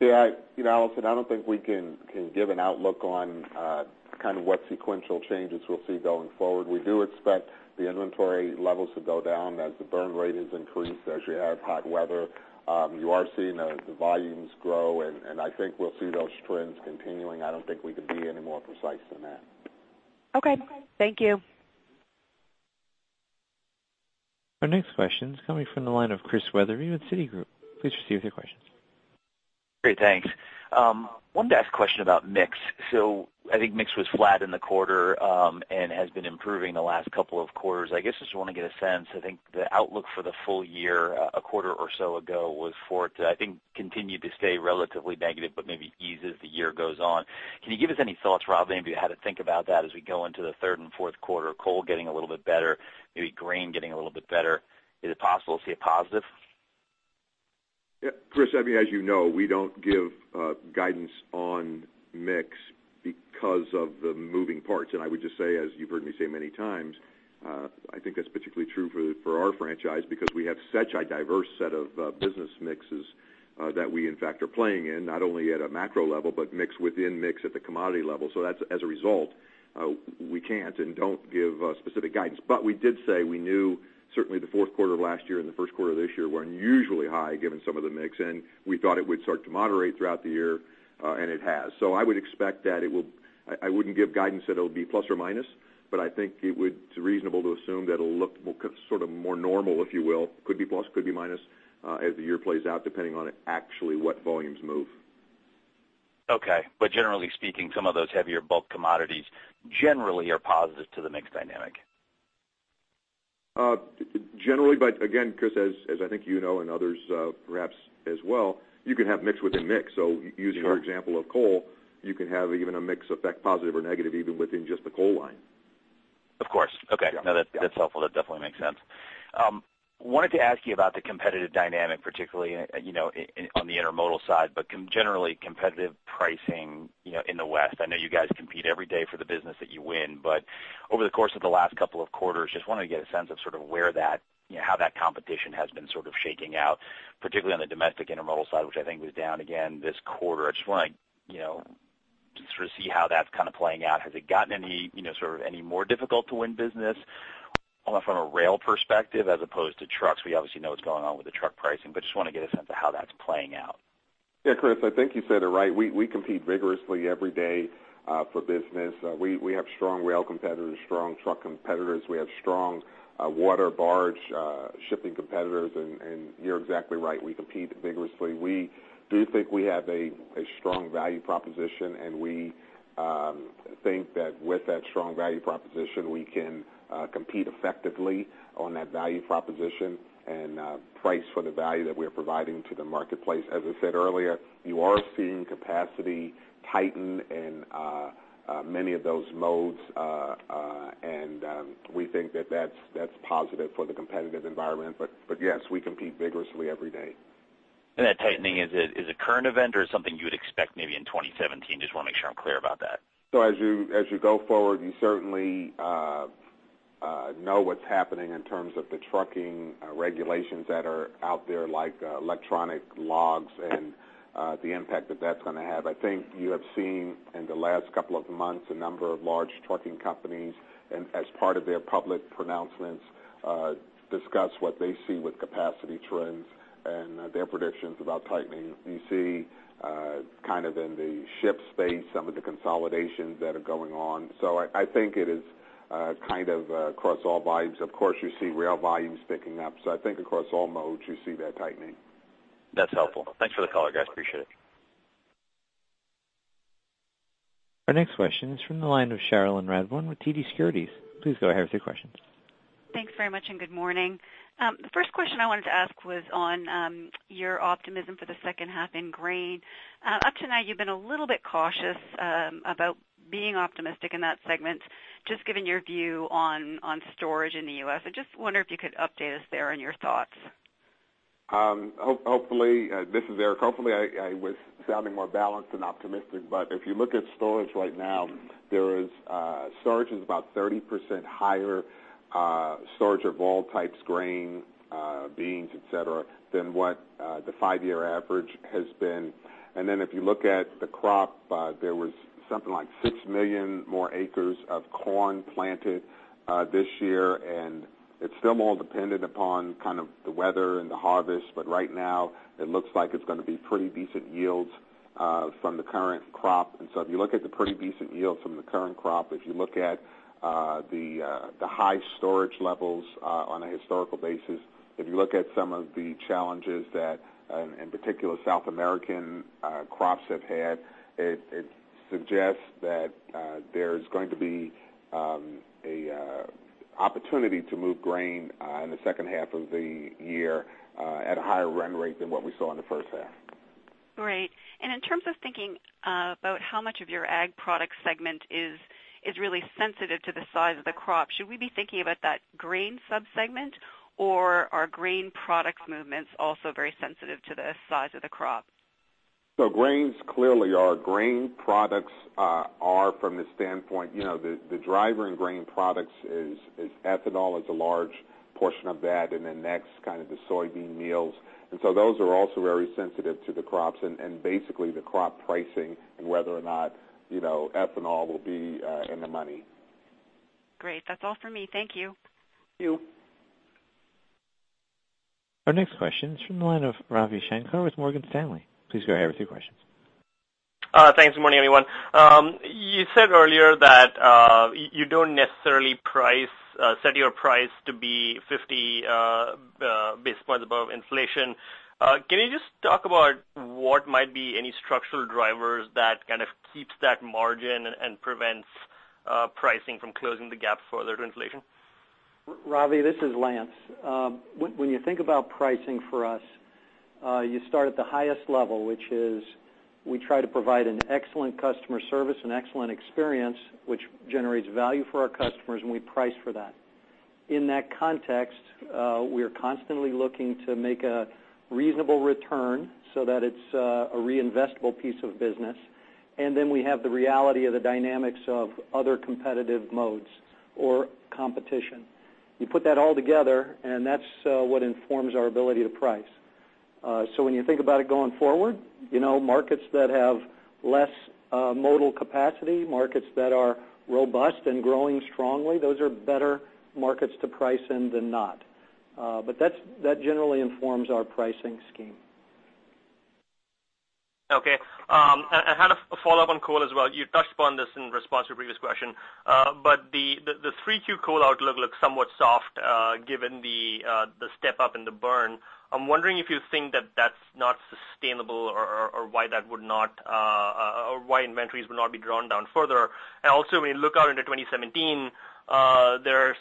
Yeah. Allison, I don't think we can give an outlook on kind of what sequential changes we'll see going forward. We do expect the inventory levels to go down as the burn rate has increased as you have hot weather. You are seeing the volumes grow. I think we'll see those trends continuing. I don't think we can be any more precise than that. Okay. Thank you. Our next question's coming from the line of Chris Wetherbee with Citigroup. Please proceed with your question. Great. Thanks. Wanted to ask a question about mix. I think mix was flat in the quarter and has been improving the last couple of quarters. I guess I just want to get a sense, I think the outlook for the full year, a quarter or so ago was for it to, I think, continue to stay relatively negative, but maybe ease as the year goes on. Can you give us any thoughts, Rob, maybe how to think about that as we go into the third and fourth quarter, coal getting a little bit better, maybe grain getting a little bit better. Is it possible to see a positive? Yeah, Chris, as you know, we don't give guidance on mix because of the moving parts. I would just say, as you've heard me say many times, I think that's particularly true for our franchise because we have such a diverse set of business mixes that we in fact are playing in, not only at a macro level, but mix within mix at the commodity level. As a result, we can't and don't give specific guidance. We did say we knew certainly the fourth quarter of last year and the first quarter of this year were unusually high given some of the mix in. We thought it would start to moderate throughout the year, and it has. I would expect that I wouldn't give guidance that it'll be plus or minus, but I think it's reasonable to assume that it'll look sort of more normal, if you will. Could be plus, could be minus, as the year plays out, depending on actually what volumes move. Okay. Generally speaking, some of those heavier bulk commodities generally are positive to the mix dynamic. Generally, again, Chris, as I think you know, and others perhaps as well, you can have mix within mix. Using your example of coal, you can have even a mix effect, positive or negative, even within just the coal line. Of course. Okay. Yeah. That's helpful. That definitely makes sense. Wanted to ask you about the competitive dynamic, particularly on the intermodal side, generally competitive pricing in the West. I know you guys compete every day for the business that you win, over the course of the last couple of quarters, just wanted to get a sense of how that competition has been shaking out, particularly on the domestic intermodal side, which I think was down again this quarter. I just want to see how that's playing out. Has it gotten any more difficult to win business from a rail perspective as opposed to trucks? We obviously know what's going on with the truck pricing, just want to get a sense of how that's playing out. Chris, I think you said it right. We compete vigorously every day for business. We have strong rail competitors, strong truck competitors. We have strong water barge shipping competitors, you're exactly right. We compete vigorously. We do think we have a strong value proposition, we think that with that strong value proposition, we can compete effectively on that value proposition and price for the value that we're providing to the marketplace. As I said earlier, you are seeing capacity tighten in many of those modes, we think that that's positive for the competitive environment. Yes, we compete vigorously every day. That tightening, is a current event or is something you would expect maybe in 2017? Just want to make sure I'm clear about that. As you go forward, you certainly know what's happening in terms of the trucking regulations that are out there, like electronic logs and the impact that that's going to have. I think you have seen in the last couple of months, a number of large trucking companies, as part of their public pronouncements, discuss what they see with capacity trends and their predictions about tightening. You see in the ship space, some of the consolidations that are going on. I think it is across all volumes. Of course, you see rail volumes ticking up, I think across all modes, you see that tightening. That's helpful. Thanks for the color, guys. Appreciate it. Our next question is from the line of Cherilyn Radbourne with TD Securities. Please go ahead with your questions. Thanks very much, and good morning. The first question I wanted to ask was on your optimism for the second half in grain. Up to now, you've been a little bit cautious about being optimistic in that segment, just given your view on storage in the U.S. I just wonder if you could update us there on your thoughts. This is Eric. Hopefully, I was sounding more balanced than optimistic. If you look at storage right now, storage is about 30% higher, storage of all types, grain, beans, et cetera, than what the five-year average has been. If you look at the crop, there was something like six million more acres of corn planted this year, and it's still more dependent upon the weather and the harvest. Right now it looks like it's going to be pretty decent yields from the current crop. If you look at the pretty decent yields from the current crop, if you look at the high storage levels on a historical basis, if you look at some of the challenges that, in particular South American crops have had, it suggests that there's going to be an opportunity to move grain in the second half of the year at a higher run rate than what we saw in the first half. Great. In terms of thinking about how much of your ag product segment is really sensitive to the size of the crop, should we be thinking about that grain sub-segment, or are grain product movements also very sensitive to the size of the crop? Grains clearly are. Grain products are from the standpoint, the driver in grain products is ethanol is a large portion of that, then next the soybean meals. Those are also very sensitive to the crops and basically the crop pricing and whether or not ethanol will be in the money. Great. That's all for me. Thank you. Thank you. Our next question is from the line of Ravi Shanker with Morgan Stanley. Please go ahead with your questions. Thanks. Good morning, everyone. You said earlier that you don't necessarily set your price to be 50 basis points above inflation. Can you just talk about what might be any structural drivers that keeps that margin and prevents pricing from closing the gap further to inflation? Ravi, this is Lance. When you think about pricing for us, you start at the highest level, which is we try to provide an excellent customer service and excellent experience, which generates value for our customers, and we price for that. In that context, we are constantly looking to make a reasonable return so that it's a reinvestable piece of business, and then we have the reality of the dynamics of other competitive modes or competition. You put that all together, and that's what informs our ability to price. When you think about it going forward, markets that have less modal capacity, markets that are robust and growing strongly, those are better markets to price in than not. That generally informs our pricing scheme. Okay. I had a follow-up on coal as well. You touched upon this in response to a previous question. The 3Q coal outlook looks somewhat soft given the step-up in the burn. I am wondering if you think that that is not sustainable or why that would not Why inventories will not be drawn down further. When you look out into 2017, there are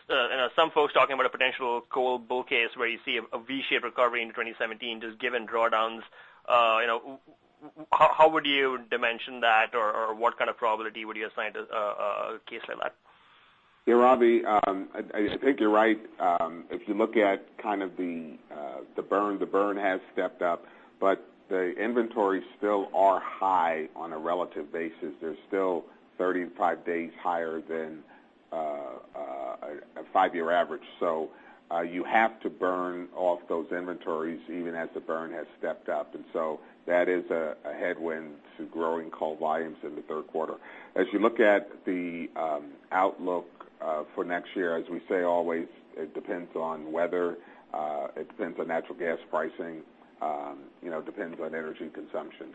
some folks talking about a potential coal bull case where you see a V-shaped recovery in 2017, just given drawdowns. How would you dimension that, or what kind of probability would you assign to a case like that? Yeah, Ravi, I think you are right. If you look at the burn, the burn has stepped up, the inventories still are high on a relative basis. They are still 35 days higher than a five-year average. You have to burn off those inventories even as the burn has stepped up, that is a headwind to growing coal volumes in the third quarter. As you look at the outlook for next year, as we say always, it depends on weather, it depends on natural gas pricing, it depends on energy consumption.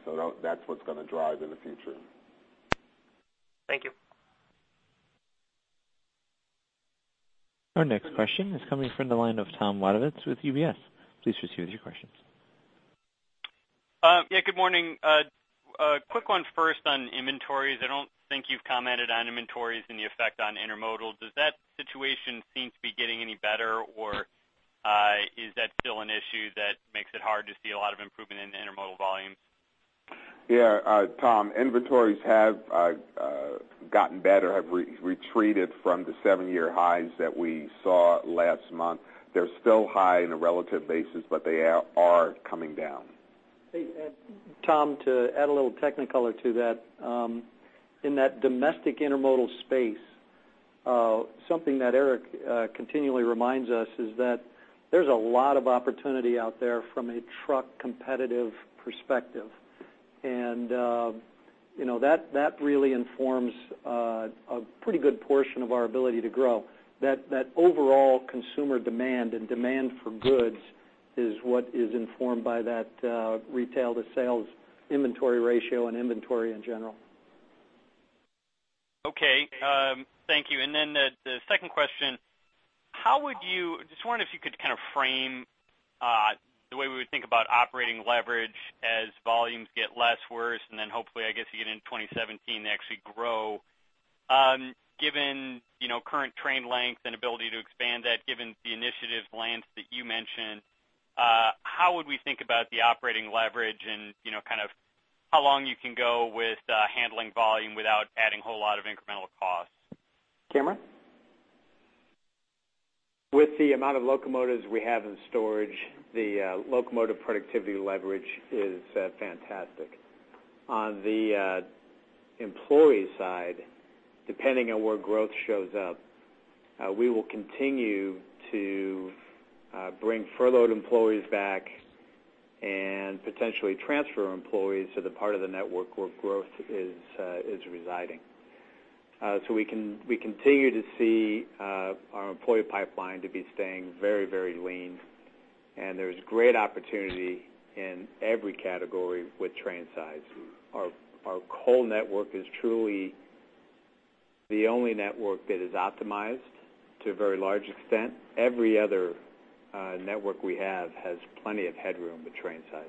That is what is going to drive in the future. Thank you. Our next question is coming from the line of Thomas Wadewitz with UBS. Please proceed with your questions. Yeah, good morning. A quick one first on inventories. I don't think you've commented on inventories and the effect on intermodal. Does that situation seem to be getting any better, or is that still an issue that makes it hard to see a lot of improvement in the intermodal volumes? Yeah, Tom, inventories have gotten better, have retreated from the seven-year highs that we saw last month. They're still high on a relative basis, but they are coming down. Hey, Tom, to add a little technicolor to that. In that domestic intermodal space, something that Eric continually reminds us is that there's a lot of opportunity out there from a truck competitive perspective. That really informs a pretty good portion of our ability to grow. That overall consumer demand and demand for goods is what is informed by that retail to sales inventory ratio and inventory in general. Okay, thank you. The second question, just wondering if you could kind of frame the way we would think about operating leverage as volumes get less worse, then hopefully, I guess, again, in 2017, they actually grow. Given current train length and ability to expand that, given the initiatives Lance, that you mentioned, how would we think about the operating leverage and how long you can go with handling volume without adding a whole lot of incremental costs? Cameron? With the amount of locomotives we have in storage, the locomotive productivity leverage is fantastic. On the employee side, depending on where growth shows up, we will continue to bring furloughed employees back and potentially transfer employees to the part of the network where growth is residing. We continue to see our employee pipeline to be staying very lean, and there's great opportunity in every category with train size. Our coal network is truly the only network that is optimized to a very large extent. Every other network we have has plenty of headroom with train size.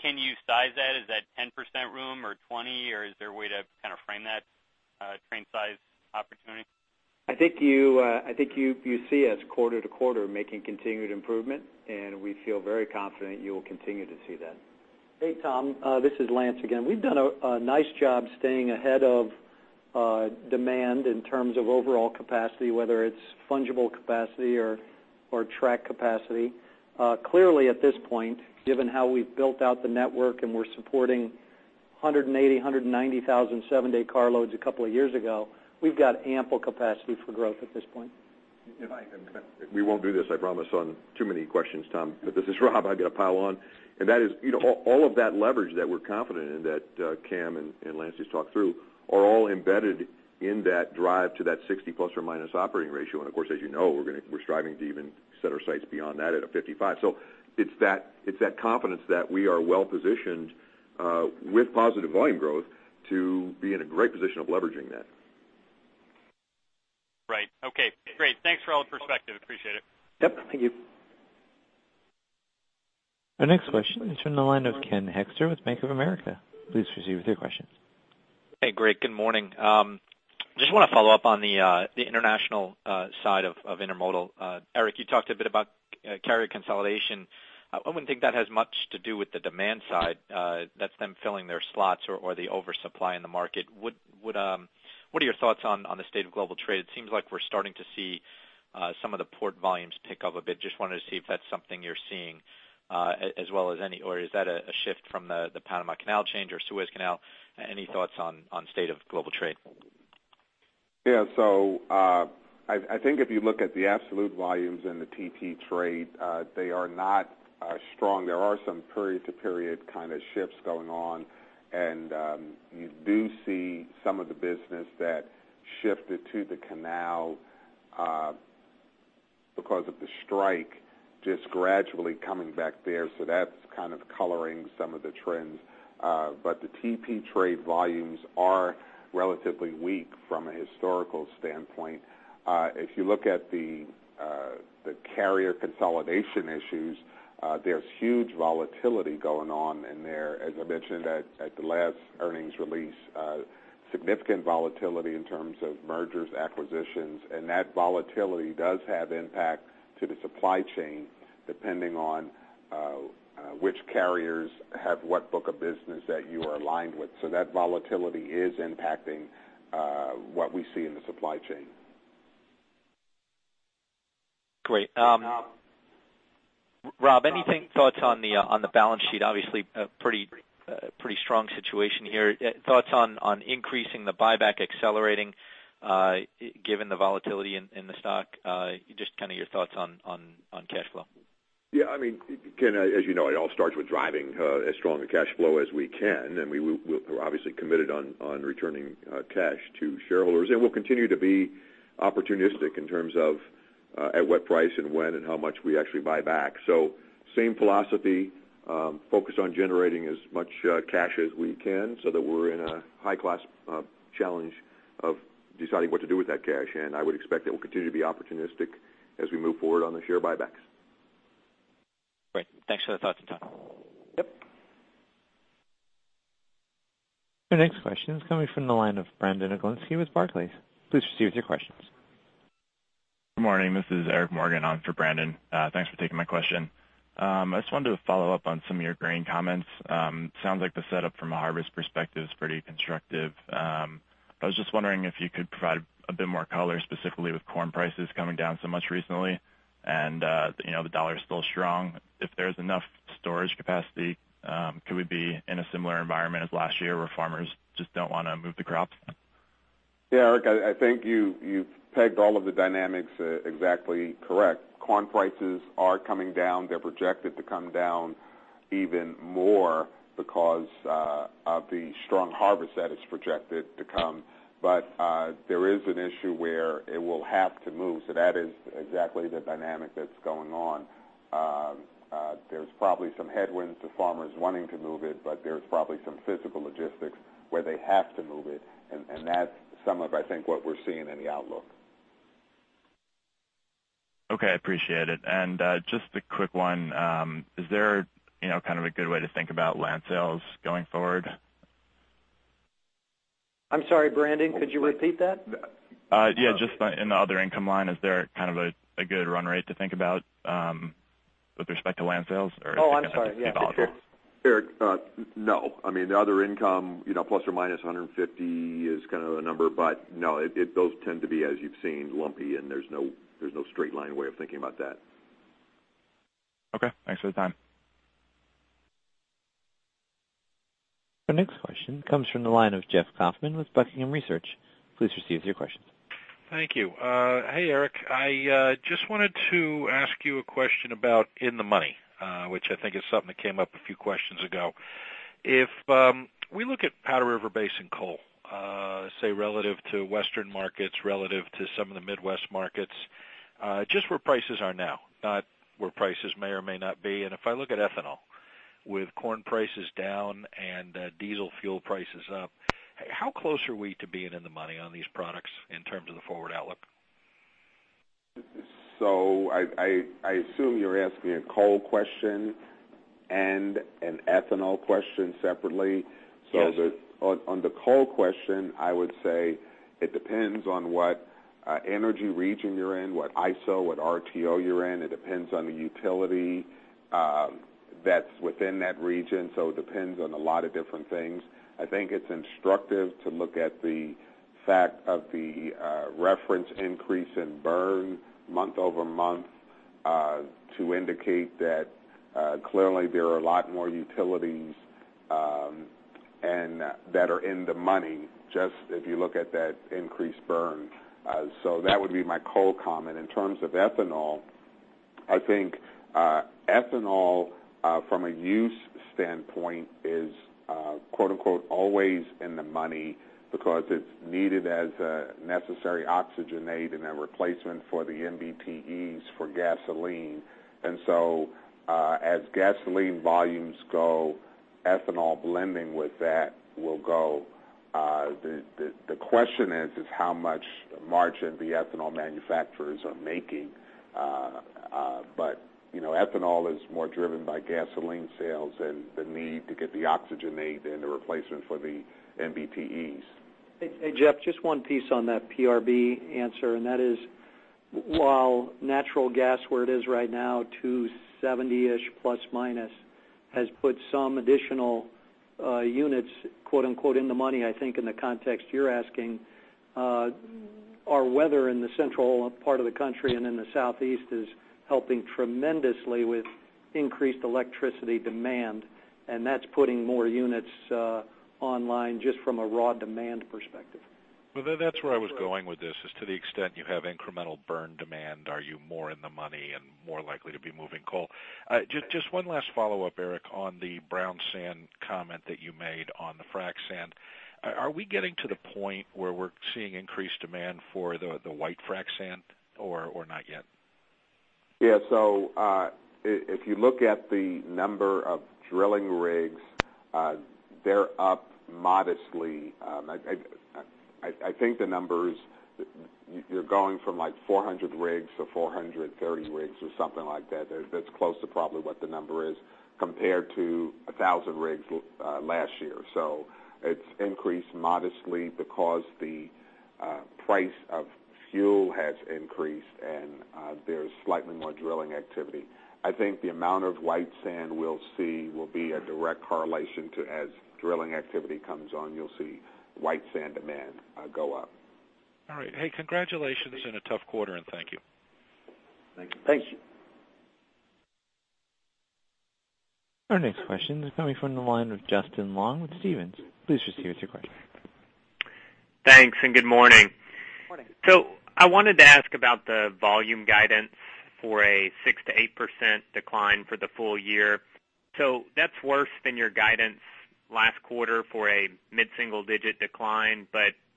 Can you size that? Is that 10% room or 20%, or is there a way to kind of frame that train size opportunity? I think you see us quarter to quarter making continued improvement, and we feel very confident you will continue to see that. Hey, Tom, this is Lance again. We've done a nice job staying ahead of demand in terms of overall capacity, whether it's fungible capacity or track capacity. Clearly, at this point, given how we've built out the network and we're supporting 180,000, 190,000 seven-day carloads a couple of years ago, we've got ample capacity for growth at this point. We won't do this, I promise, on too many questions, Tom. This is Rob. I got to pile on. That is, all of that leverage that we're confident in, that Cam and Lance just talked through, are all embedded in that drive to that 60 ± operating ratio. Of course, as you know, we're striving to even set our sights beyond that at a 55. It's that confidence that we are well-positioned with positive volume growth to be in a great position of leveraging that. Right. Okay, great. Thanks for all the perspective. Appreciate it. Yep. Thank you. Our next question is from the line of Ken Hoexter with Bank of America. Please proceed with your question. Hey, great. Good morning. Just want to follow up on the international side of intermodal. Eric, you talked a bit about carrier consolidation. I wouldn't think that has much to do with the demand side. That's them filling their slots or the oversupply in the market. What are your thoughts on the state of global trade? It seems like we're starting to see some of the port volumes pick up a bit. Just wanted to see if that's something you're seeing, or is that a shift from the Panama Canal change or Suez Canal? Any thoughts on state of global trade? Yeah. I think if you look at the absolute volumes in the Trans-Pacific trade, they are not strong. There are some period-to-period kind of shifts going on, and you do see some of the business that shifted to the canal because of the strike just gradually coming back there. That's kind of coloring some of the trends. The Trans-Pacific trade volumes are relatively weak from a historical standpoint. If you look at the carrier consolidation issues. There's huge volatility going on in there. As I mentioned at the last earnings release, significant volatility in terms of mergers, acquisitions. That volatility does have impact to the supply chain depending on which carriers have what book of business that you are aligned with. That volatility is impacting what we see in the supply chain. Great. Rob, thoughts on the balance sheet? Obviously, a pretty strong situation here. Thoughts on increasing the buyback accelerating, given the volatility in the stock? Just your thoughts on cash flow. Yeah. Ken, as you know, it all starts with driving as strong a cash flow as we can. We're obviously committed on returning cash to shareholders. We'll continue to be opportunistic in terms of at what price and when and how much we actually buy back. Same philosophy, focused on generating as much cash as we can so that we're in a high-class challenge of deciding what to do with that cash. I would expect that we'll continue to be opportunistic as we move forward on the share buybacks. Great. Thanks for the thoughts and time. Yep. Your next question is coming from the line of Brandon Oglenski with Barclays. Please proceed with your questions. Good morning. This is Eric Morgan on for Brandon. Thanks for taking my question. I just wanted to follow up on some of your grain comments. Sounds like the setup from a harvest perspective is pretty constructive. I was just wondering if you could provide a bit more color specifically with corn prices coming down so much recently and the dollar is still strong. If there's enough storage capacity, could we be in a similar environment as last year where farmers just don't want to move the crop? Yeah, Eric, I think you've pegged all of the dynamics exactly correct. Corn prices are coming down. They're projected to come down even more because of the strong harvest that is projected to come. There is an issue where it will have to move. That is exactly the dynamic that's going on. There's probably some headwinds to farmers wanting to move it, but there's probably some physical logistics where they have to move it, and that's some of, I think, what we're seeing in the outlook. Okay, appreciate it. Just a quick one. Is there a good way to think about land sales going forward? I'm sorry, Brandon, could you repeat that? Yeah, just in the other income line, is there a good run rate to think about with respect to land sales or is it going to be volatile? Oh, I'm sorry. Yeah. Eric, no. The other income ±$150 is kind of the number, but no, those tend to be, as you've seen, lumpy and there's no straight line way of thinking about that. Okay, thanks for the time. Our next question comes from the line of Jeff Kaufman with Buckingham Research. Please proceed with your question. Thank you. Hey, Eric. I just wanted to ask you a question about in the money, which I think is something that came up a few questions ago. If we look at Powder River Basin coal, say, relative to Western markets, relative to some of the Midwest markets, just where prices are now, not where prices may or may not be. If I look at ethanol, with corn prices down and diesel fuel prices up, how close are we to being in the money on these products in terms of the forward outlook? I assume you're asking a coal question and an ethanol question separately. Yes. On the coal question, I would say it depends on what energy region you're in, what ISO, what RTO you're in. It depends on the utility that's within that region. It depends on a lot of different things. I think it's instructive to look at the fact of the reference increase in burn month-over-month to indicate that clearly there are a lot more utilities that are in the money, just if you look at that increased burn. That would be my coal comment. In terms of ethanol, I think ethanol from a use standpoint is "always in the money" because it's needed as a necessary oxygenate and a replacement for the MTBEs for gasoline. As gasoline volumes go, ethanol blending with that will go. The question is how much margin the ethanol manufacturers are making. Ethanol is more driven by gasoline sales and the need to get the oxygenate and the replacement for the MTBEs. Hey, Jeff, just one piece on that PRB answer. That is while natural gas where it is right now, 270-ish plus minus, has put some additional units "in the money," I think in the context you're asking, our weather in the central part of the country and in the Southeast is helping tremendously with increased electricity demand, and that's putting more units online just from a raw demand perspective. Well, that's where I was going with this is to the extent you have incremental burn demand, are you more in the money and more likely to be moving coal? Just one last follow-up, Eric, on the brown sand comment that you made on the frac sand. Are we getting to the point where we're seeing increased demand for the white frac sand, or not yet? Yeah. If you look at the number of drilling rigs, they're up modestly. I think the numbers, you're going from 400 rigs to 430 rigs or something like that. That's close to probably what the number is, compared to 1,000 rigs last year. It's increased modestly because the price of fuel has increased. There's slightly more drilling activity. I think the amount of white sand we'll see will be a direct correlation to as drilling activity comes on, you'll see white sand demand go up. All right. Hey, congratulations in a tough quarter. Thank you. Thank you. Our next question is coming from the line of Justin Long with Stephens. Please proceed with your question. Thanks. Good morning. Morning. I wanted to ask about the volume guidance for a 6%-8% decline for the full year. That's worse than your guidance last quarter for a mid-single-digit decline.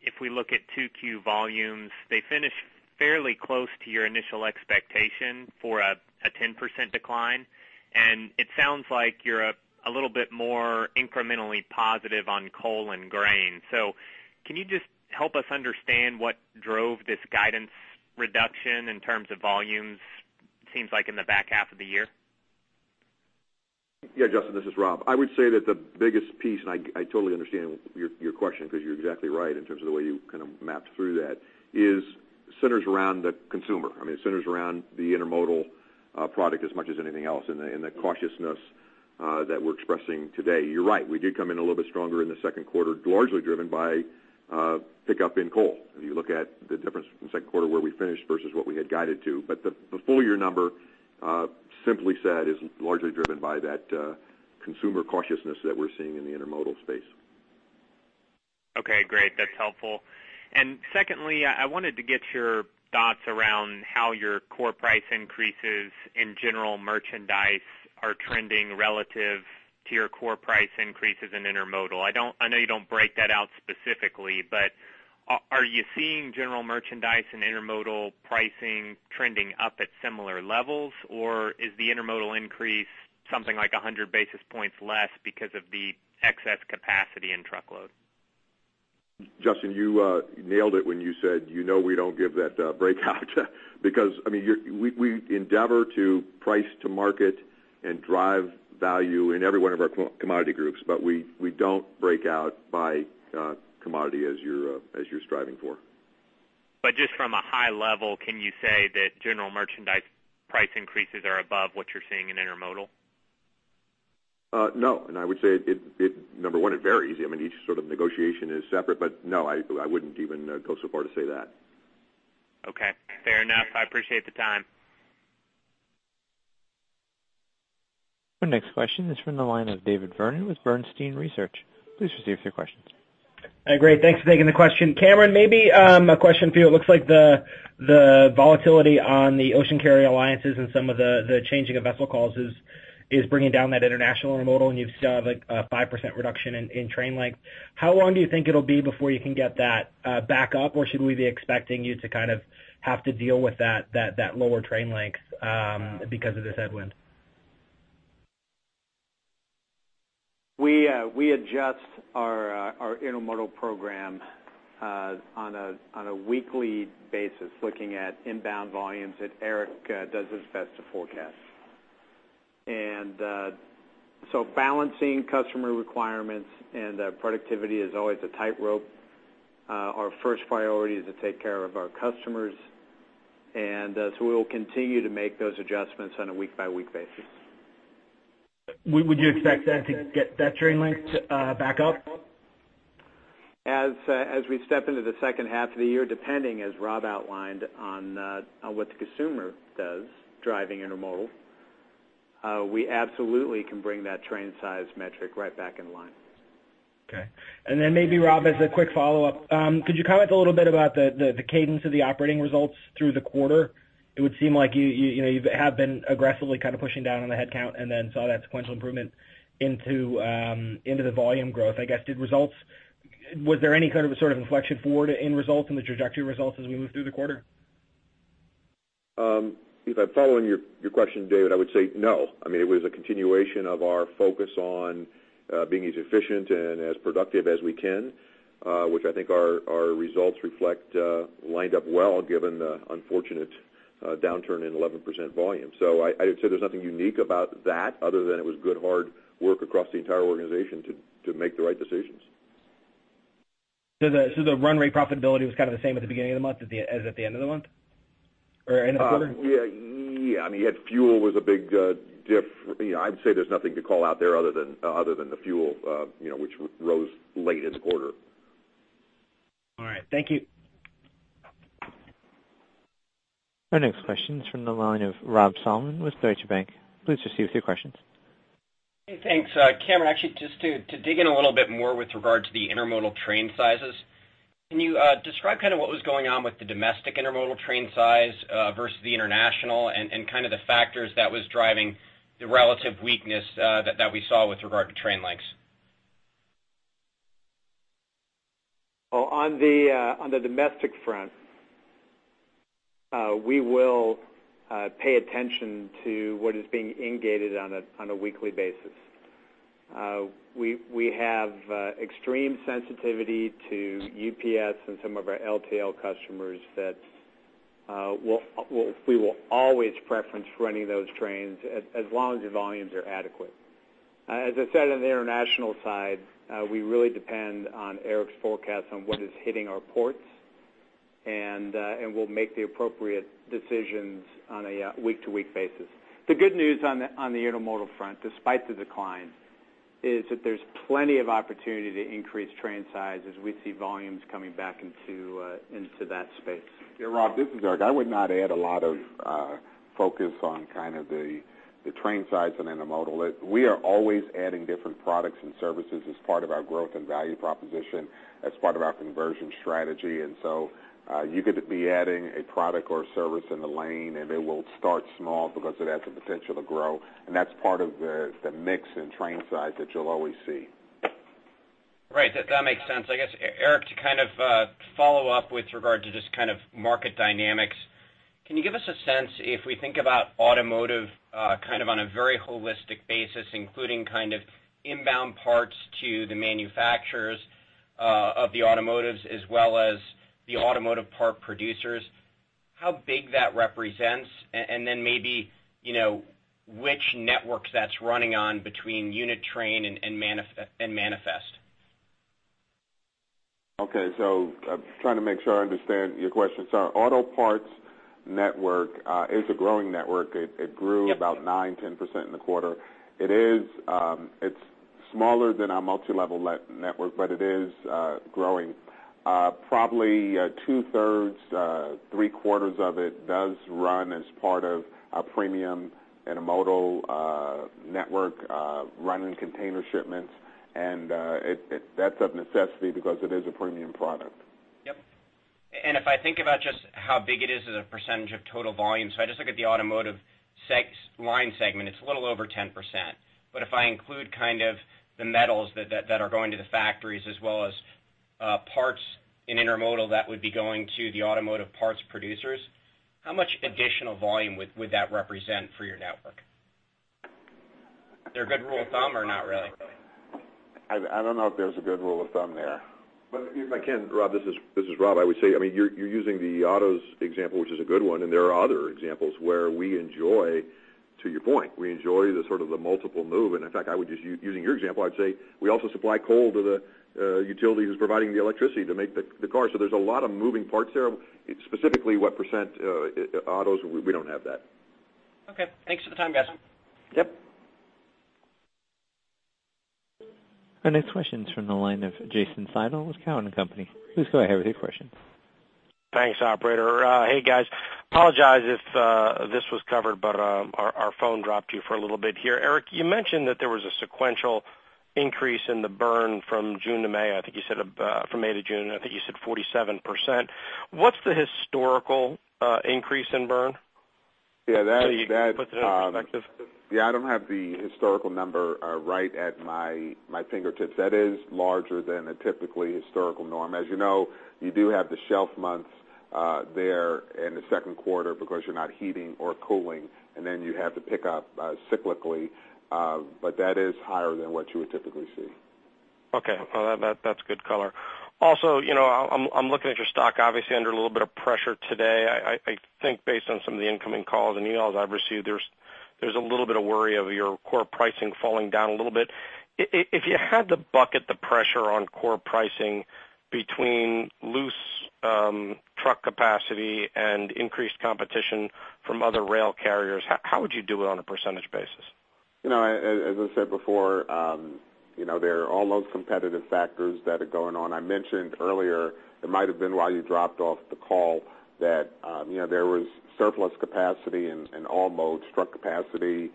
If we look at 2Q volumes, they finish fairly close to your initial expectation for a 10% decline, and it sounds like you're a little bit more incrementally positive on coal and grain. Can you just help us understand what drove this guidance reduction in terms of volumes, seems like in the back half of the year? Yeah, Justin, this is Rob. I would say that the biggest piece, and I totally understand your question because you're exactly right in terms of the way you mapped through that, is centers around the consumer. I mean, it centers around the intermodal product as much as anything else and the cautiousness that we're expressing today. You're right, we did come in a little bit stronger in the second quarter, largely driven by pickup in coal. If you look at the difference from the second quarter where we finished versus what we had guided to. The full year number, simply said, is largely driven by that consumer cautiousness that we're seeing in the intermodal space. Okay, great. That's helpful. Secondly, I wanted to get your thoughts around how your core price increases in general merchandise are trending relative to your core price increases in intermodal. I know you don't break that out specifically, are you seeing general merchandise and intermodal pricing trending up at similar levels, or is the intermodal increase something like 100 basis points less because of the excess capacity in truckload? Justin, you nailed it when you said you know we don't give that breakout because we endeavor to price to market and drive value in every one of our commodity groups, but we don't break out by commodity as you're striving for. Just from a high level, can you say that general merchandise price increases are above what you're seeing in intermodal? No, I would say, number one, it varies. Each sort of negotiation is separate. No, I wouldn't even go so far to say that. Okay, fair enough. I appreciate the time. Our next question is from the line of David Vernon with Bernstein Research. Please proceed with your questions. Great. Thanks for taking the question. Cameron, maybe a question for you. It looks like the volatility on the ocean carrier alliances and some of the changing of vessel calls is bringing down that international intermodal. You still have a 5% reduction in train length. How long do you think it'll be before you can get that back up, or should we be expecting you to kind of have to deal with that lower train length because of this headwind? We adjust our intermodal program on a weekly basis, looking at inbound volumes, Eric does his best to forecast. Balancing customer requirements and productivity is always a tightrope. Our first priority is to take care of our customers, we will continue to make those adjustments on a week-by-week basis. Would you expect that to get that train length back up? As we step into the second half of the year, depending, as Rob outlined, on what the consumer does, driving intermodal, we absolutely can bring that train size metric right back in line. Okay. Maybe, Rob, as a quick follow-up, could you comment a little bit about the cadence of the operating results through the quarter? It would seem like you have been aggressively kind of pushing down on the headcount saw that sequential improvement into the volume growth. I guess, did results, was there any kind of a sort of inflection forward in results, in the trajectory results as we moved through the quarter? If I'm following your question, David, I would say no. It was a continuation of our focus on being as efficient and as productive as we can, which I think our results reflect, lined up well given the unfortunate downturn in 11% volume. I would say there's nothing unique about that other than it was good, hard work across the entire organization to make the right decisions. The run rate profitability was kind of the same at the beginning of the month as at the end of the month? Or end of the quarter? Yeah. Fuel was a big diff-- I'd say there's nothing to call out there other than the fuel, which rose late in the quarter. All right. Thank you. Our next question is from the line of Robert Salmon with Deutsche Bank. Please proceed with your questions. Hey, thanks. Cameron, actually, just to dig in a little bit more with regard to the intermodal train sizes, can you describe kind of what was going on with the domestic intermodal train size versus the international and kind of the factors that was driving the relative weakness that we saw with regard to train lengths? On the domestic front, we will pay attention to what is being in-gated on a weekly basis. We have extreme sensitivity to UPS and some of our LTL customers that we will always preference running those trains as long as the volumes are adequate. As I said, on the international side, we really depend on Eric's forecast on what is hitting our ports, and we'll make the appropriate decisions on a week-to-week basis. The good news on the intermodal front, despite the decline, is that there's plenty of opportunity to increase train size as we see volumes coming back into that space. Yeah, Rob, this is Eric. I would not add a lot of focus on the train size on intermodal. We are always adding different products and services as part of our growth and value proposition, as part of our conversion strategy. You could be adding a product or service in the lane, and it will start small because it has the potential to grow, and that's part of the mix and train size that you'll always see. Right. That makes sense. I guess, Eric, to follow up with regard to just market dynamics, can you give us a sense, if we think about automotive on a very holistic basis, including inbound parts to the manufacturers of the automotives as well as the automotive part producers, how big that represents, and then maybe, which networks that's running on between unit train and manifest? Okay. I'm trying to make sure I understand your question. Auto parts network is a growing network. It grew about nine, 10% in the quarter. It's smaller than our multi-level network, but it is growing. Probably two-thirds, three-quarters of it does run as part of a premium intermodal network, running container shipments. That's of necessity because it is a premium product. Yep. If I think about just how big it is as a percentage of total volume, I just look at the automotive line segment, it's a little over 10%. If I include the metals that are going to the factories as well as parts in intermodal that would be going to the automotive parts producers, how much additional volume would that represent for your network? Is there a good rule of thumb or not really? I don't know if there's a good rule of thumb there. If I can, Rob, this is Rob. I would say, you're using the autos example, which is a good one, and there are other examples where we enjoy, to your point, we enjoy the sort of the multiple move. In fact, I would just, using your example, I'd say we also supply coal to the utilities providing the electricity to make the car. There's a lot of moving parts there. Specifically, what % autos, we don't have that. Okay. Thanks for the time, guys. Yep. Our next question's from the line of Jason Seidl with Cowen and Company. Please go ahead with your question. Thanks, operator. Hey, guys. Apologize if this was covered, our phone dropped you for a little bit here. Eric, you mentioned that there was a sequential increase in the burn from June to May. I think you said from May to June, I think you said 47%. What's the historical increase in burn? Yeah. You can put that into perspective. Yeah, I don't have the historical number right at my fingertips. That is larger than a typically historical norm. As you know, you do have the shelf months there in the second quarter because you're not heating or cooling, and then you have the pickup cyclically. That is higher than what you would typically see. Okay. Well, that's good color. Also, I'm looking at your stock, obviously under a little bit of pressure today. I think based on some of the incoming calls and emails I've received, there's a little bit of worry of your core pricing falling down a little bit. If you had to bucket the pressure on core pricing between loose truck capacity and increased competition from other rail carriers, how would you do it on a percentage basis? As I said before, there are all those competitive factors that are going on. I mentioned earlier, it might have been while you dropped off the call that there was surplus capacity in all modes, truck capacity,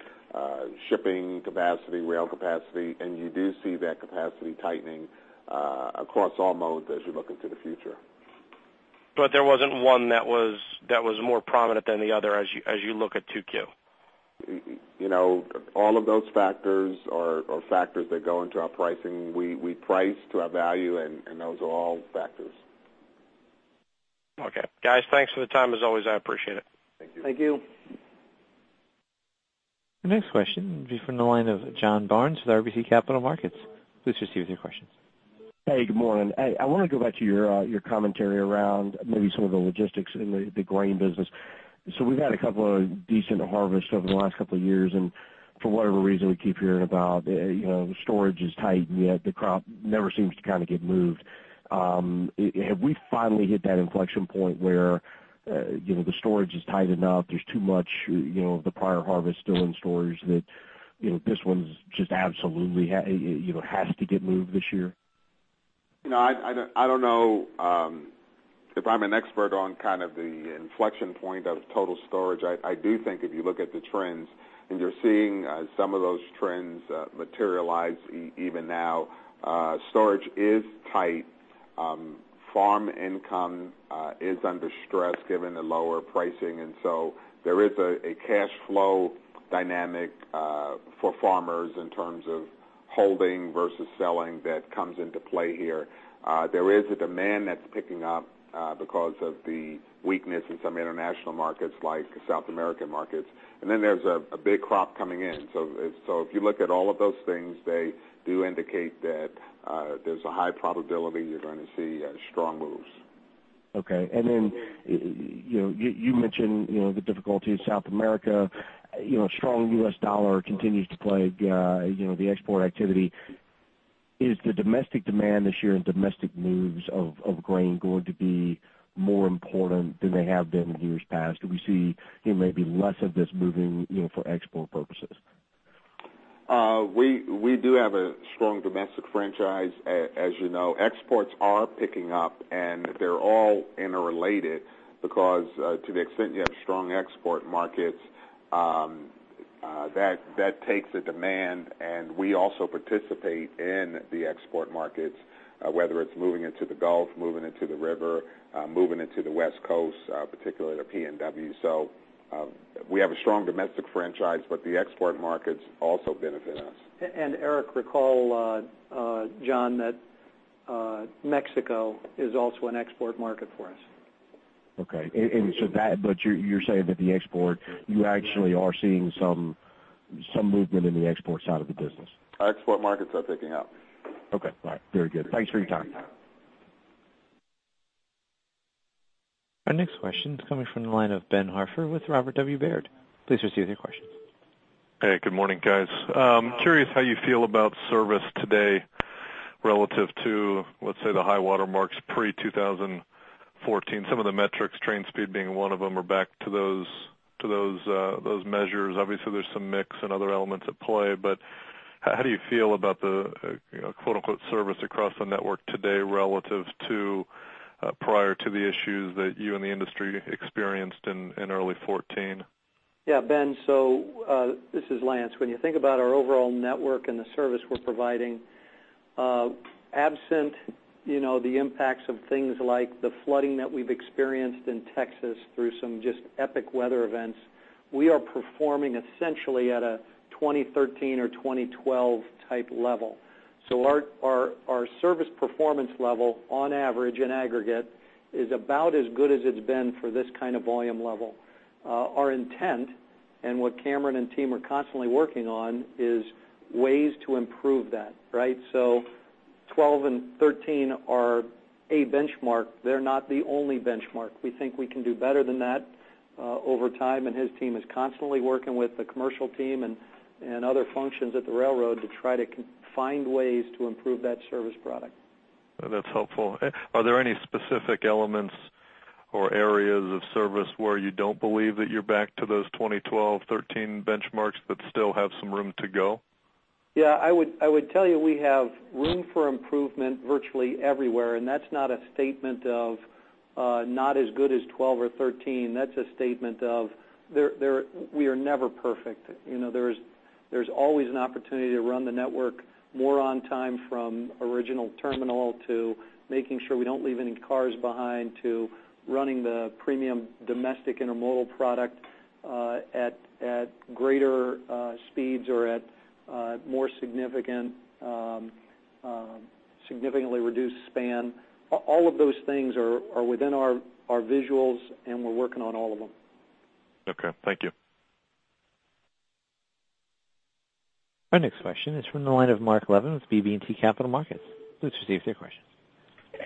shipping capacity, rail capacity, and you do see that capacity tightening across all modes as you look into the future. There wasn't one that was more prominent than the other as you look at 2Q? All of those factors are factors that go into our pricing. We price to our value. Those are all factors. Okay. Guys, thanks for the time. As always, I appreciate it. Thank you. Thank you. Our next question will be from the line of John Barnes with RBC Capital Markets. Please proceed with your questions. Hey, good morning. Hey, I want to go back to your commentary around maybe some of the logistics in the grain business. We've had a couple of decent harvests over the last couple of years, and for whatever reason, we keep hearing about storage is tight, and yet the crop never seems to get moved. Have we finally hit that inflection point where the storage is tight enough, there's too much, the prior harvest still in storage that this one just absolutely has to get moved this year? I don't know if I'm an expert on the inflection point of total storage. I do think if you look at the trends, and you're seeing some of those trends materialize even now, storage is tight. Farm income is under stress given the lower pricing, there is a cash flow dynamic for farmers in terms of Holding versus selling that comes into play here. There is a demand that's picking up because of the weakness in some international markets like South American markets, there's a big crop coming in. If you look at all of those things, they do indicate that there's a high probability you're going to see strong moves. Okay. You mentioned the difficulty in South America. Strong U.S. dollar continues to plague the export activity. Is the domestic demand this year and domestic moves of grain going to be more important than they have been in years past? Do we see maybe less of this moving for export purposes? We do have a strong domestic franchise, as you know. Exports are picking up, they're all interrelated because to the extent you have strong export markets, that takes the demand, and we also participate in the export markets, whether it's moving into the Gulf, moving into the river, moving into the West Coast, particularly the PNW. We have a strong domestic franchise, but the export markets also benefit us. Eric, recall, John, that Mexico is also an export market for us. Okay. You're saying that the export, you actually are seeing some movement in the export side of the business. Our export markets are picking up. Okay. All right. Very good. Thanks for your time. Our next question is coming from the line of Ben Hartford with Robert W. Baird. Please proceed with your question. Hey, good morning, guys. I'm curious how you feel about service today relative to, let's say, the high water marks pre-2014. Some of the metrics, train speed being one of them, are back to those measures. Obviously, there's some mix and other elements at play, but how do you feel about the quote, unquote, "service across the network today" relative to prior to the issues that you and the industry experienced in early 2014? Ben, this is Lance. When you think about our overall network and the service we're providing, absent the impacts of things like the flooding that we've experienced in Texas through some just epic weather events, we are performing essentially at a 2013 or 2012 type level. Our service performance level, on average, in aggregate, is about as good as it's been for this kind of volume level. Our intent, and what Cameron and team are constantly working on, is ways to improve that, right? 2012 and 2013 are a benchmark. They're not the only benchmark. We think we can do better than that over time, and his team is constantly working with the commercial team and other functions at the railroad to try to find ways to improve that service product. That's helpful. Are there any specific elements or areas of service where you don't believe that you're back to those 2012, 2013 benchmarks that still have some room to go? I would tell you we have room for improvement virtually everywhere, and that's not a statement of not as good as 2012 or 2013. That's a statement of we are never perfect. There's always an opportunity to run the network more on time from original terminal to making sure we don't leave any cars behind, to running the premium domestic intermodal product at greater speeds or at more significantly reduced span. All of those things are within our visuals, and we're working on all of them. Okay, thank you. Our next question is from the line of Mark Levin with BB&T Capital Markets. Please proceed with your question.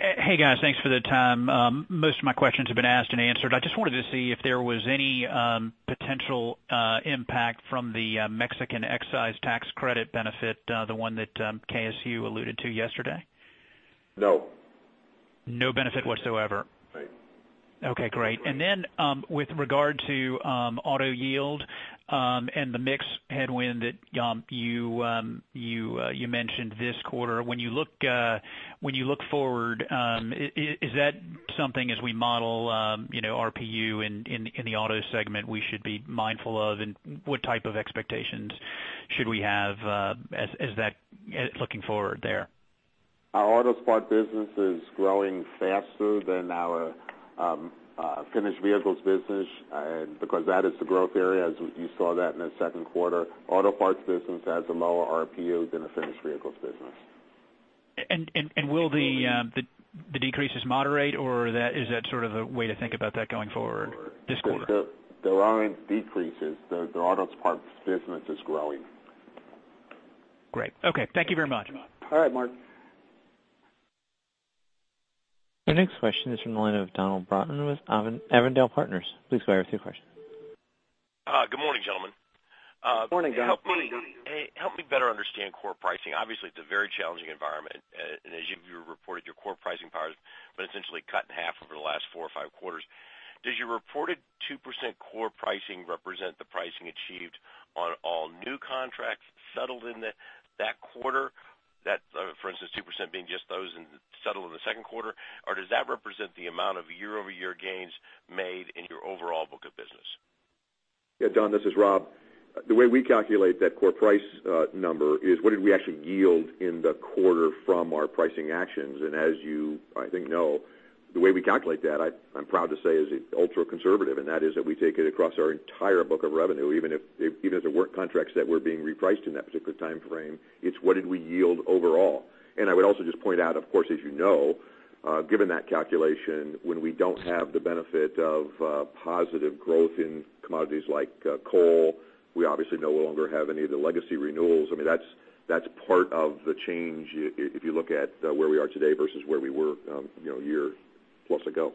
Hey, guys. Thanks for the time. Most of my questions have been asked and answered. I just wanted to see if there was any potential impact from the Mexican Excise Tax Credit benefit, the one that KSU alluded to yesterday. No. No benefit whatsoever? Right. Okay, great. Then with regard to auto yield and the mix headwind that you mentioned this quarter, when you look forward, is that something as we model RPU in the auto segment we should be mindful of? What type of expectations should we have looking forward there? Our auto parts business is growing faster than our finished vehicles business because that is the growth area. You saw that in the second quarter. Auto parts business has a lower RPU than the finished vehicles business. Will the decreases moderate, or is that sort of a way to think about that going forward this quarter? There aren't decreases. The auto parts business is growing. Great. Okay. Thank you very much. All right, Mark. Our next question is from the line of Donald Broughton with Avondale Partners. Please go ahead with your question. Good morning, gentlemen. Morning, Don. Hey, help me better understand core pricing. Obviously, it is a very challenging environment, and as you reported, your core pricing powers have been essentially cut in half over the last four or five quarters. Does your reported 2% core pricing represent the pricing achieved on all new contracts settled in that quarter? For instance, 2% being just those settled in the second quarter, or does that represent the amount of year-over-year gains made in your overall book of business? Yeah, Don, this is Rob. The way we calculate that core price number is what did we actually yield. In the quarter from our pricing actions, as you, I think, know, the way we calculate that, I am proud to say, is ultra-conservative, and that is that we take it across our entire book of revenue, even if there weren't contracts that were being repriced in that particular timeframe, it is what did we yield overall. I would also just point out, of course, as you know, given that calculation, when we don't have the benefit of positive growth in commodities like coal, we obviously no longer have any of the legacy renewals. That is part of the change, if you look at where we are today versus where we were a year plus ago.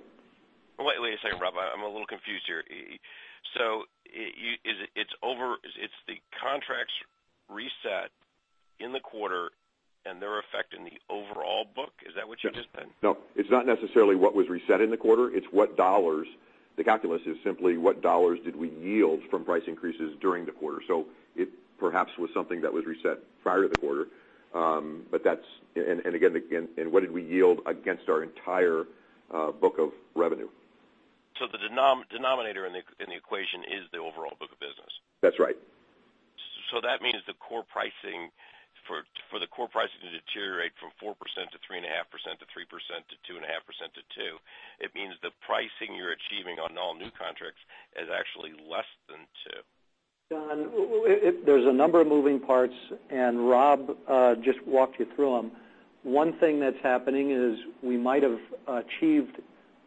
Wait a second, Rob. I'm a little confused here. It's the contracts reset in the quarter, and they're affecting the overall book? Is that what you just said? No, it's not necessarily what was reset in the quarter, it's what dollars. The calculus is simply what dollars did we yield from price increases during the quarter. It perhaps was something that was reset prior to the quarter, and what did we yield against our entire book of revenue. The denominator in the equation is the overall book of business. That's right. That means for the core pricing to deteriorate from 4% to 3.5% to 3% to 2.5% to 2%, it means the pricing you're achieving on all new contracts is actually less than 2%. Don, there's a number of moving parts. Rob just walked you through them. One thing that's happening is we might have achieved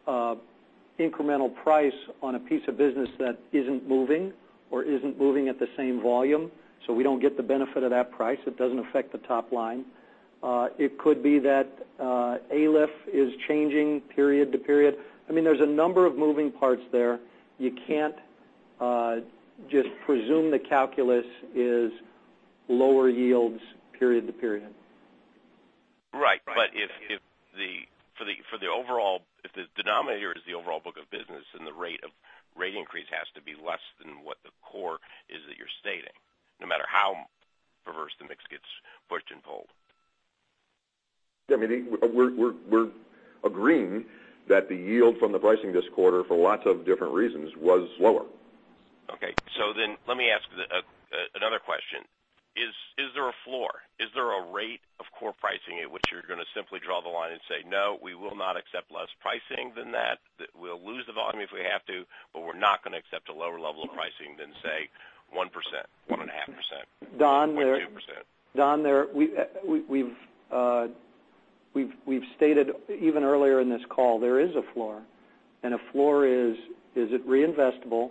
incremental price on a piece of business that isn't moving or isn't moving at the same volume, so we don't get the benefit of that price. It doesn't affect the top line. It could be that ALIF is changing period to period. There's a number of moving parts there. You can't just presume the calculus is lower yields period to period. Right. If the denominator is the overall book of business, the rate increase has to be less than what the core is that you're stating, no matter how perverse the mix gets pushed and pulled. We're agreeing that the yield from the pricing this quarter, for lots of different reasons, was lower. Let me ask another question. Is there a floor? Is there a rate of core pricing at which you're going to simply draw the line and say, "No, we will not accept less pricing than that. We'll lose the volume if we have to, but we're not going to accept a lower level of pricing than, say, 1%, 1.5%, or 2%? Don, we've stated even earlier in this call, there is a floor, and a floor is, it reinvestable,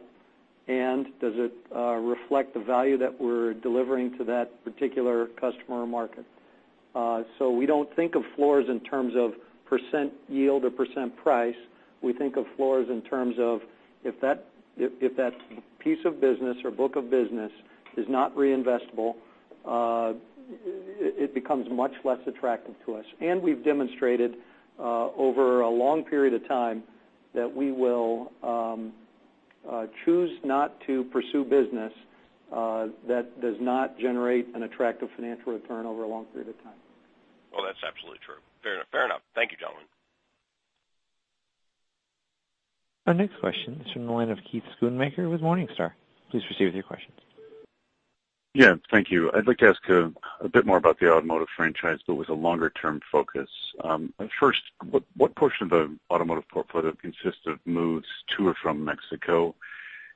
and does it reflect the value that we're delivering to that particular customer or market? We don't think of floors in terms of % yield or % price. We think of floors in terms of if that piece of business or book of business is not reinvestable, it becomes much less attractive to us. We've demonstrated over a long period of time that we will choose not to pursue business that does not generate an attractive financial return over a long period of time. That's absolutely true. Fair enough. Thank you, gentlemen. Our next question is from the line of Keith Schoonmaker with Morningstar. Please proceed with your questions. Yeah, thank you. I'd like to ask a bit more about the automotive franchise, but with a longer-term focus. First, what portion of the automotive portfolio consists of moves to or from Mexico?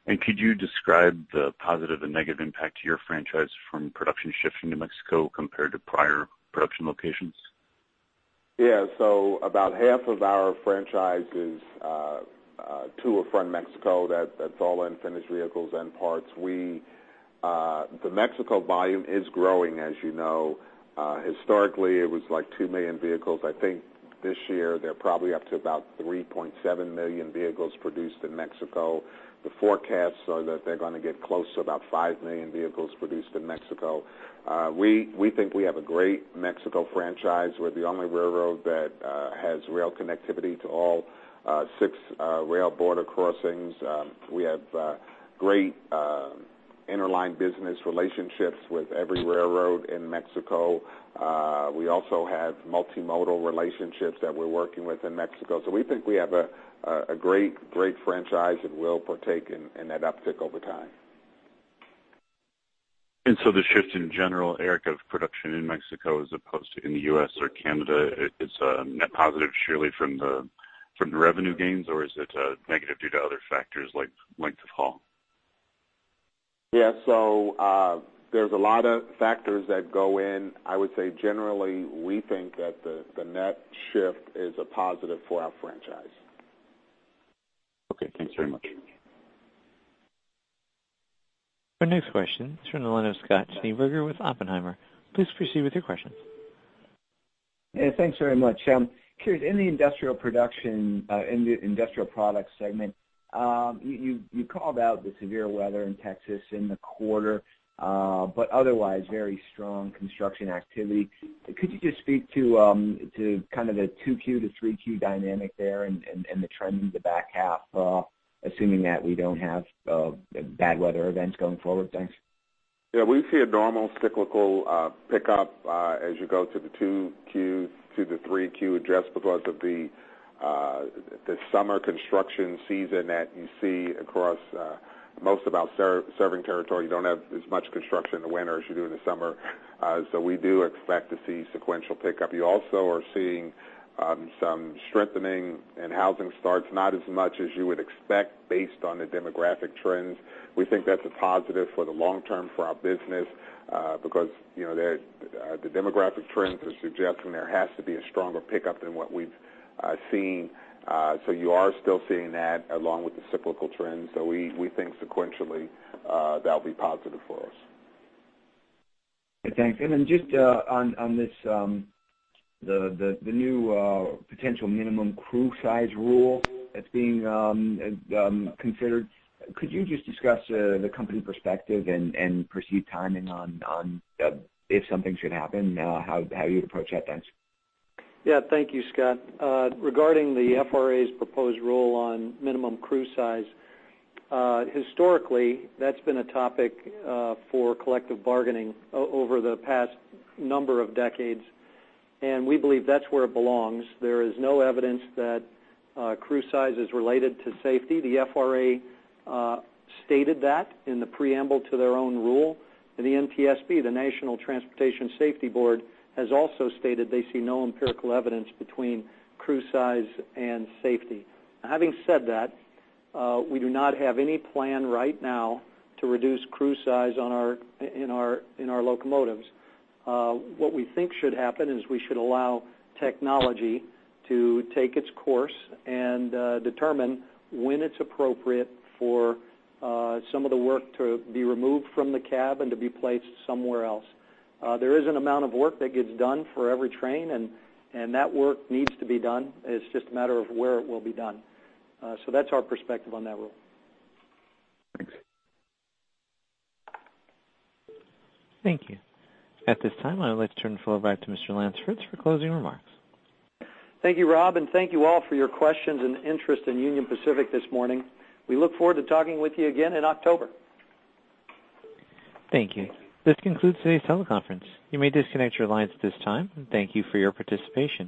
Could you describe the positive and negative impact to your franchise from production shifting to Mexico compared to prior production locations? Yeah. About half of our franchise is to or from Mexico. That's all in finished vehicles and parts. The Mexico volume is growing, as you know. Historically, it was like 2 million vehicles. I think this year they're probably up to about 3.7 million vehicles produced in Mexico. The forecasts are that they're going to get close to about 5 million vehicles produced in Mexico. We think we have a great Mexico franchise. We're the only railroad that has rail connectivity to all six rail border crossings. We have great interline business relationships with every railroad in Mexico. We also have multimodal relationships that we're working with in Mexico. We think we have a great franchise that will partake in that uptick over time. The shift in general, Eric, of production in Mexico as opposed to in the U.S. or Canada, it's a net positive surely from the revenue gains, or is it a negative due to other factors like length of haul? Yeah. There's a lot of factors that go in. I would say generally, we think that the net shift is a positive for our franchise. Okay, thanks very much. Our next question is from the line of Scott Schneeberger with Oppenheimer. Please proceed with your question. Yeah, thanks very much. Curious, in the industrial products segment, you called out the severe weather in Texas in the quarter, but otherwise very strong construction activity. Could you just speak to kind of the 2Q to 3Q dynamic there and the trend in the back half, assuming that we don't have bad weather events going forward? Thanks. Yeah, we see a normal cyclical pickup as you go to the 2Q To the 3Q, just because of the summer construction season that you see across most of our serving territory, you don't have as much construction in the winter as you do in the summer. We do expect to see sequential pickup. You also are seeing some strengthening in housing starts, not as much as you would expect based on the demographic trends. We think that's a positive for the long term for our business because the demographic trends are suggesting there has to be a stronger pickup than what we've seen. You are still seeing that along with the cyclical trends. We think sequentially that'll be positive for us. Thanks. Just on the new potential minimum crew size rule that's being considered, could you just discuss the company perspective and perceived timing on if something should happen, how you'd approach that? Thanks. Thank you, Scott. Regarding the FRA's proposed rule on minimum crew size, historically, that's been a topic for collective bargaining over the past number of decades. We believe that's where it belongs. There is no evidence that crew size is related to safety. The FRA stated that in the preamble to their own rule. The NTSB, the National Transportation Safety Board, has also stated they see no empirical evidence between crew size and safety. Now, having said that, we do not have any plan right now to reduce crew size in our locomotives. What we think should happen is we should allow technology to take its course and determine when it's appropriate for some of the work to be removed from the cab and to be placed somewhere else. There is an amount of work that gets done for every train. That work needs to be done. It's just a matter of where it will be done. That's our perspective on that rule. Thanks. Thank you. At this time, I would like to turn the floor back to Mr. Lance Fritz for closing remarks. Thank you, Rob, and thank you all for your questions and interest in Union Pacific this morning. We look forward to talking with you again in October. Thank you. This concludes today's teleconference. You may disconnect your lines at this time, and thank you for your participation.